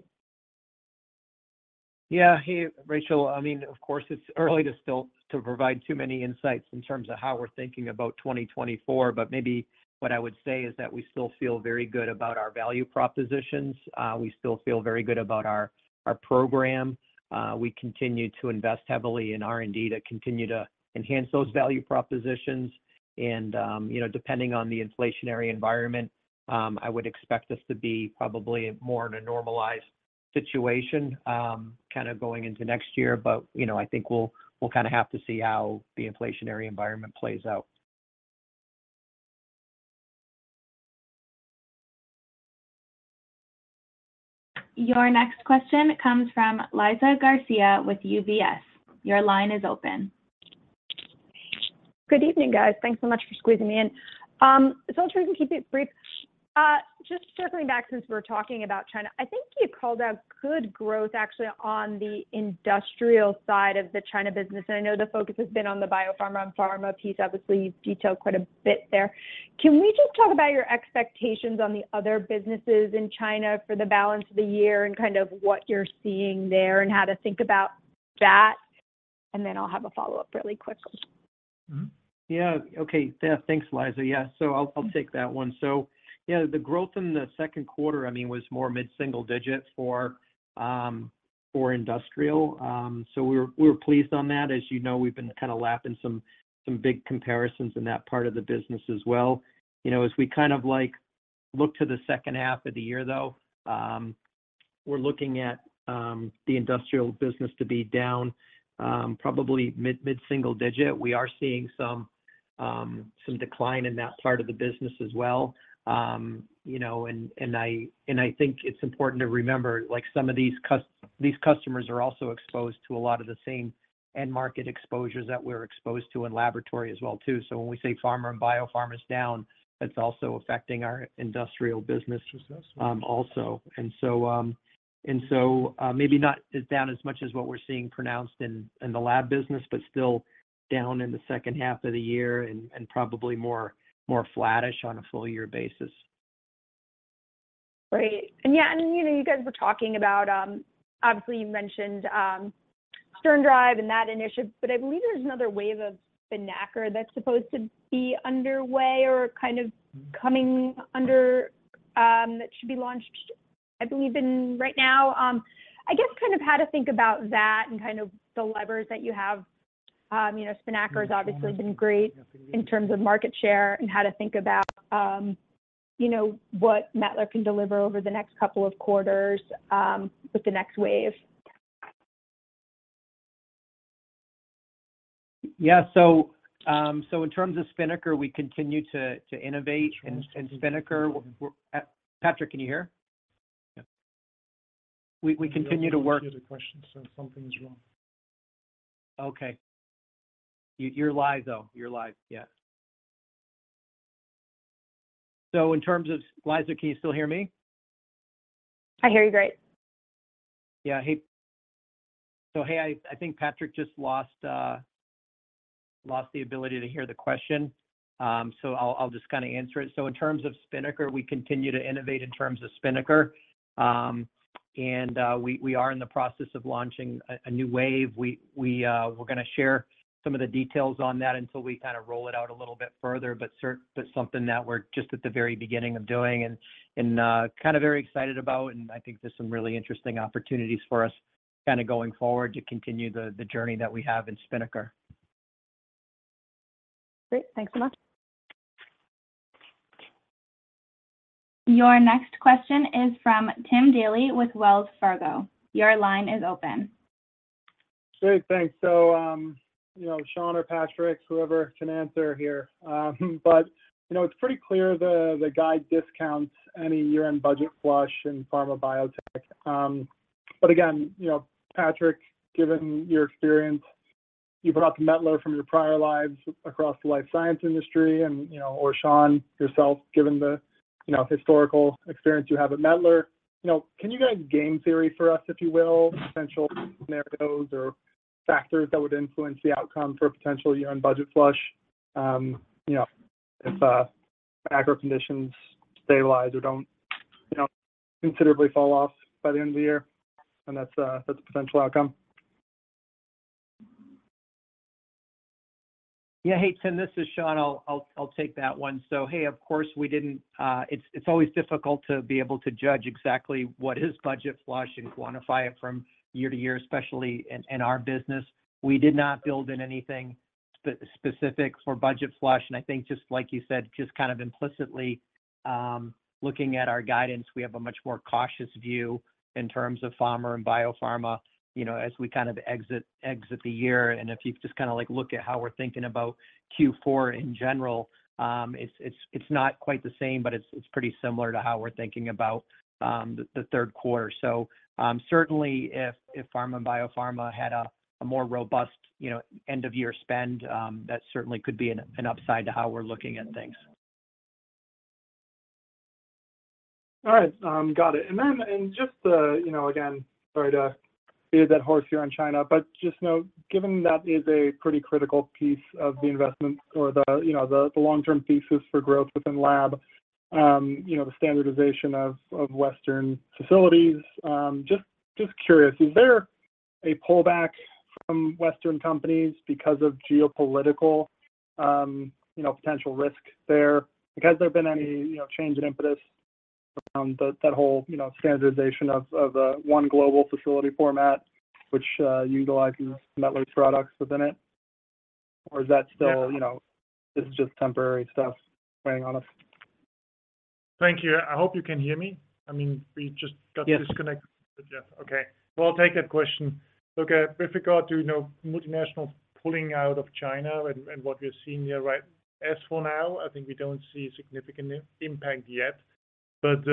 Yeah. Hey, Rachel. I mean, of course, it's early to still, to provide too many insights in terms of how we're thinking about 2024, but maybe what I would say is that we still feel very good about our value propositions. We still feel very good about our, our program. We continue to invest heavily in R&D to continue to enhance those value propositions. You know, depending on the inflationary environment, I would expect this to be probably more in a normalized situation, kind of going into next year. You know, I think we'll, we'll kind of have to see how the inflationary environment plays out. Your next question comes from Liza Garcia with UBS. Your line is open. Good evening, guys. Thanks so much for squeezing me in. I'll try to keep it brief. just circling back since we're talking about China, I think you called out good growth, actually, on the industrial side of the China business. I know the focus has been on the biopharma and pharma piece. Obviously, you've detailed quite a bit there. Can we just talk about your expectations on the other businesses in China for the balance of the year and kind of what you're seeing there and how to think about that? I'll have a follow-up really quick. Mm-hmm. Yeah. Okay. Yeah, thanks, Liza. I'll, I'll take that one. The growth in the second quarter, I mean, was more mid-single digit for industrial. We're, we're pleased on that. As you know, we've been kind of lapping some, some big comparisons in that part of the business as well. You know, as we kind of look to the second half of the year, though, we're looking at the industrial business to be down, probably mid, mid-single digit. We are seeing some, some decline in that part of the business as well. You know, and, and I, and I think it's important to remember, like, some of these these customers are also exposed to a lot of the same end market exposures that we're exposed to in laboratory as well, too. When we say pharma and biopharma is down, that's also affecting our industrial business, also. Maybe not as down as much as what we're seeing pronounced in, in the lab business, but still down in the second half of the year and probably more, more flattish on a full year basis. Great. Yeah, and, you know, you guys were talking about, obviously, you mentioned, SternDrive and that initiative, but I believe there's another wave of Spinnaker that's supposed to be underway or kind of coming under, that should be launched, I believe, in right now. I guess kind of how to think about that and kind of the levers that you have. You know, Spinnaker's obviously been great in terms of market share and how to think about, you know, what Mettler can deliver over the next couple of quarters, with the next wave. Yeah. so in terms of Spinnaker, we continue to, to innovate, and, and Spinnaker, Patrick, can you hear? Yeah. We continue to work- I can't hear the question, so something's wrong. Okay. You, you're live, though. You're live. Yeah. in terms of... Liza, can you still hear me? I hear you great. Yeah, hey. Hey, I, I think Patrick just lost lost the ability to hear the question. I'll, I'll just kind of answer it. In terms of Spinnaker, we continue to innovate in terms of Spinnaker. We, we are in the process of launching a new wave. We, we we're gonna share some of the details on that until we kind of roll it out a little bit further. But something that we're just at the very beginning of doing and kind of very excited about, and I think there's some really interesting opportunities for us kind of going forward to continue the journey that we have in Spinnaker. Great. Thanks so much. Your next question is from Tim Daley with Wells Fargo. Your line is open. Great, thanks. You know, Shawn or Patrick, whoever can answer here, but you know, it's pretty clear the, the guide discounts any year-end budget flush in pharma biotech. Again, you know, Patrick, given your experience, you brought up Mettler from your prior lives across the life science industry, and, you know, or Shawn, yourself, given the, you know, historical experience you have at Mettler. You know, can you guys game theory for us, if you will? Potential scenarios or factors that would influence the outcome for a potential year-end budget flush. You know, if macro conditions stabilize or don't, you know, considerably fall off by the end of the year, and that's, that's a potential outcome. Yeah. Hey, Tim, this is Shawn. I'll, I'll, I'll take that one. Hey, of course, we didn't, it's, it's always difficult to be able to judge exactly what is budget flush and quantify it from year-to-year, especially in, in our business. We did not build in anything specific for budget flush, and I think just like you said, just kind of implicitly, looking at our guidance, we have a much more cautious view in terms of pharma and biopharma, you know, as we kind of exit, exit the year. If you just kind of like look at how we're thinking about Q4 in general, it's, it's, it's not quite the same, but it's, it's pretty similar to how we're thinking about the, the third quarter. Certainly, if, if pharma and biopharma had a, a more robust, you know, end-of-year spend, that certainly could be an, an upside to how we're looking at things. All right, got it. Just, you know, again, sorry to beat a dead horse here on China, but just note, given that is a pretty critical piece of the investment or the, you know, the, the long-term pieces for growth within lab, you know, the standardization of, of Western facilities, just, just curious, is there a pullback from Western companies because of geopolitical, you know, potential risk there? Has there been any, you know, change in impetus around that, that whole, you know, standardization of, of, one global facility format, which, utilizes Mettler's products within it? Or is that still? Yeah... you know, this is just temporary stuff weighing on us. Thank you. I hope you can hear me. I mean, we just- Yes... got disconnected. Yeah. Okay, well, I'll take that question. Look, with regard to, you know, multinationals pulling out of China and, and what we are seeing here, right? As for now, I think we don't see significant impact yet, but,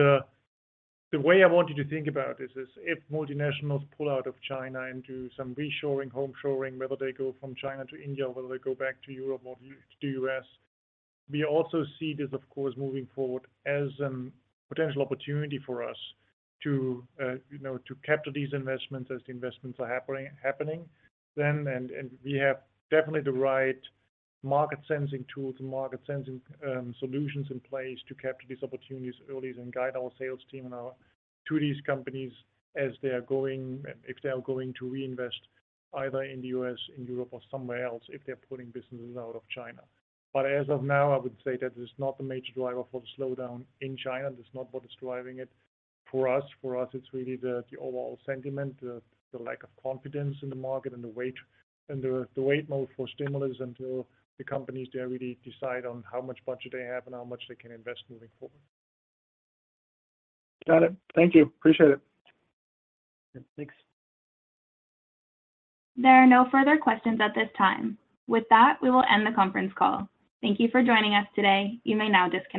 the way I want you to think about this is, if multinationals pull out of China into some reshoring, home shoring, whether they go from China to India, whether they go back to Europe or to U.S., we also see this, of course, moving forward as an potential opportunity for us to, you know, to capture these investments as the investments are happening, happening then. We have definitely the right market-sensing tools and market-sensing solutions in place to capture these opportunities early and guide our sales team to these companies as they are going, if they are going to reinvest either in the U.S., in Europe, or somewhere else, if they're pulling businesses out of China. As of now, I would say that is not the major driver for the slowdown in China. That's not what is driving it. For us, for us, it's really the overall sentiment, the lack of confidence in the market and the wait, the wait mode for stimulus until the companies there really decide on how much budget they have and how much they can invest moving forward. Got it. Thank you. Appreciate it. Yeah. Thanks. There are no further questions at this time. With that, we will end the conference call. Thank you for joining us today. You may now disconnect.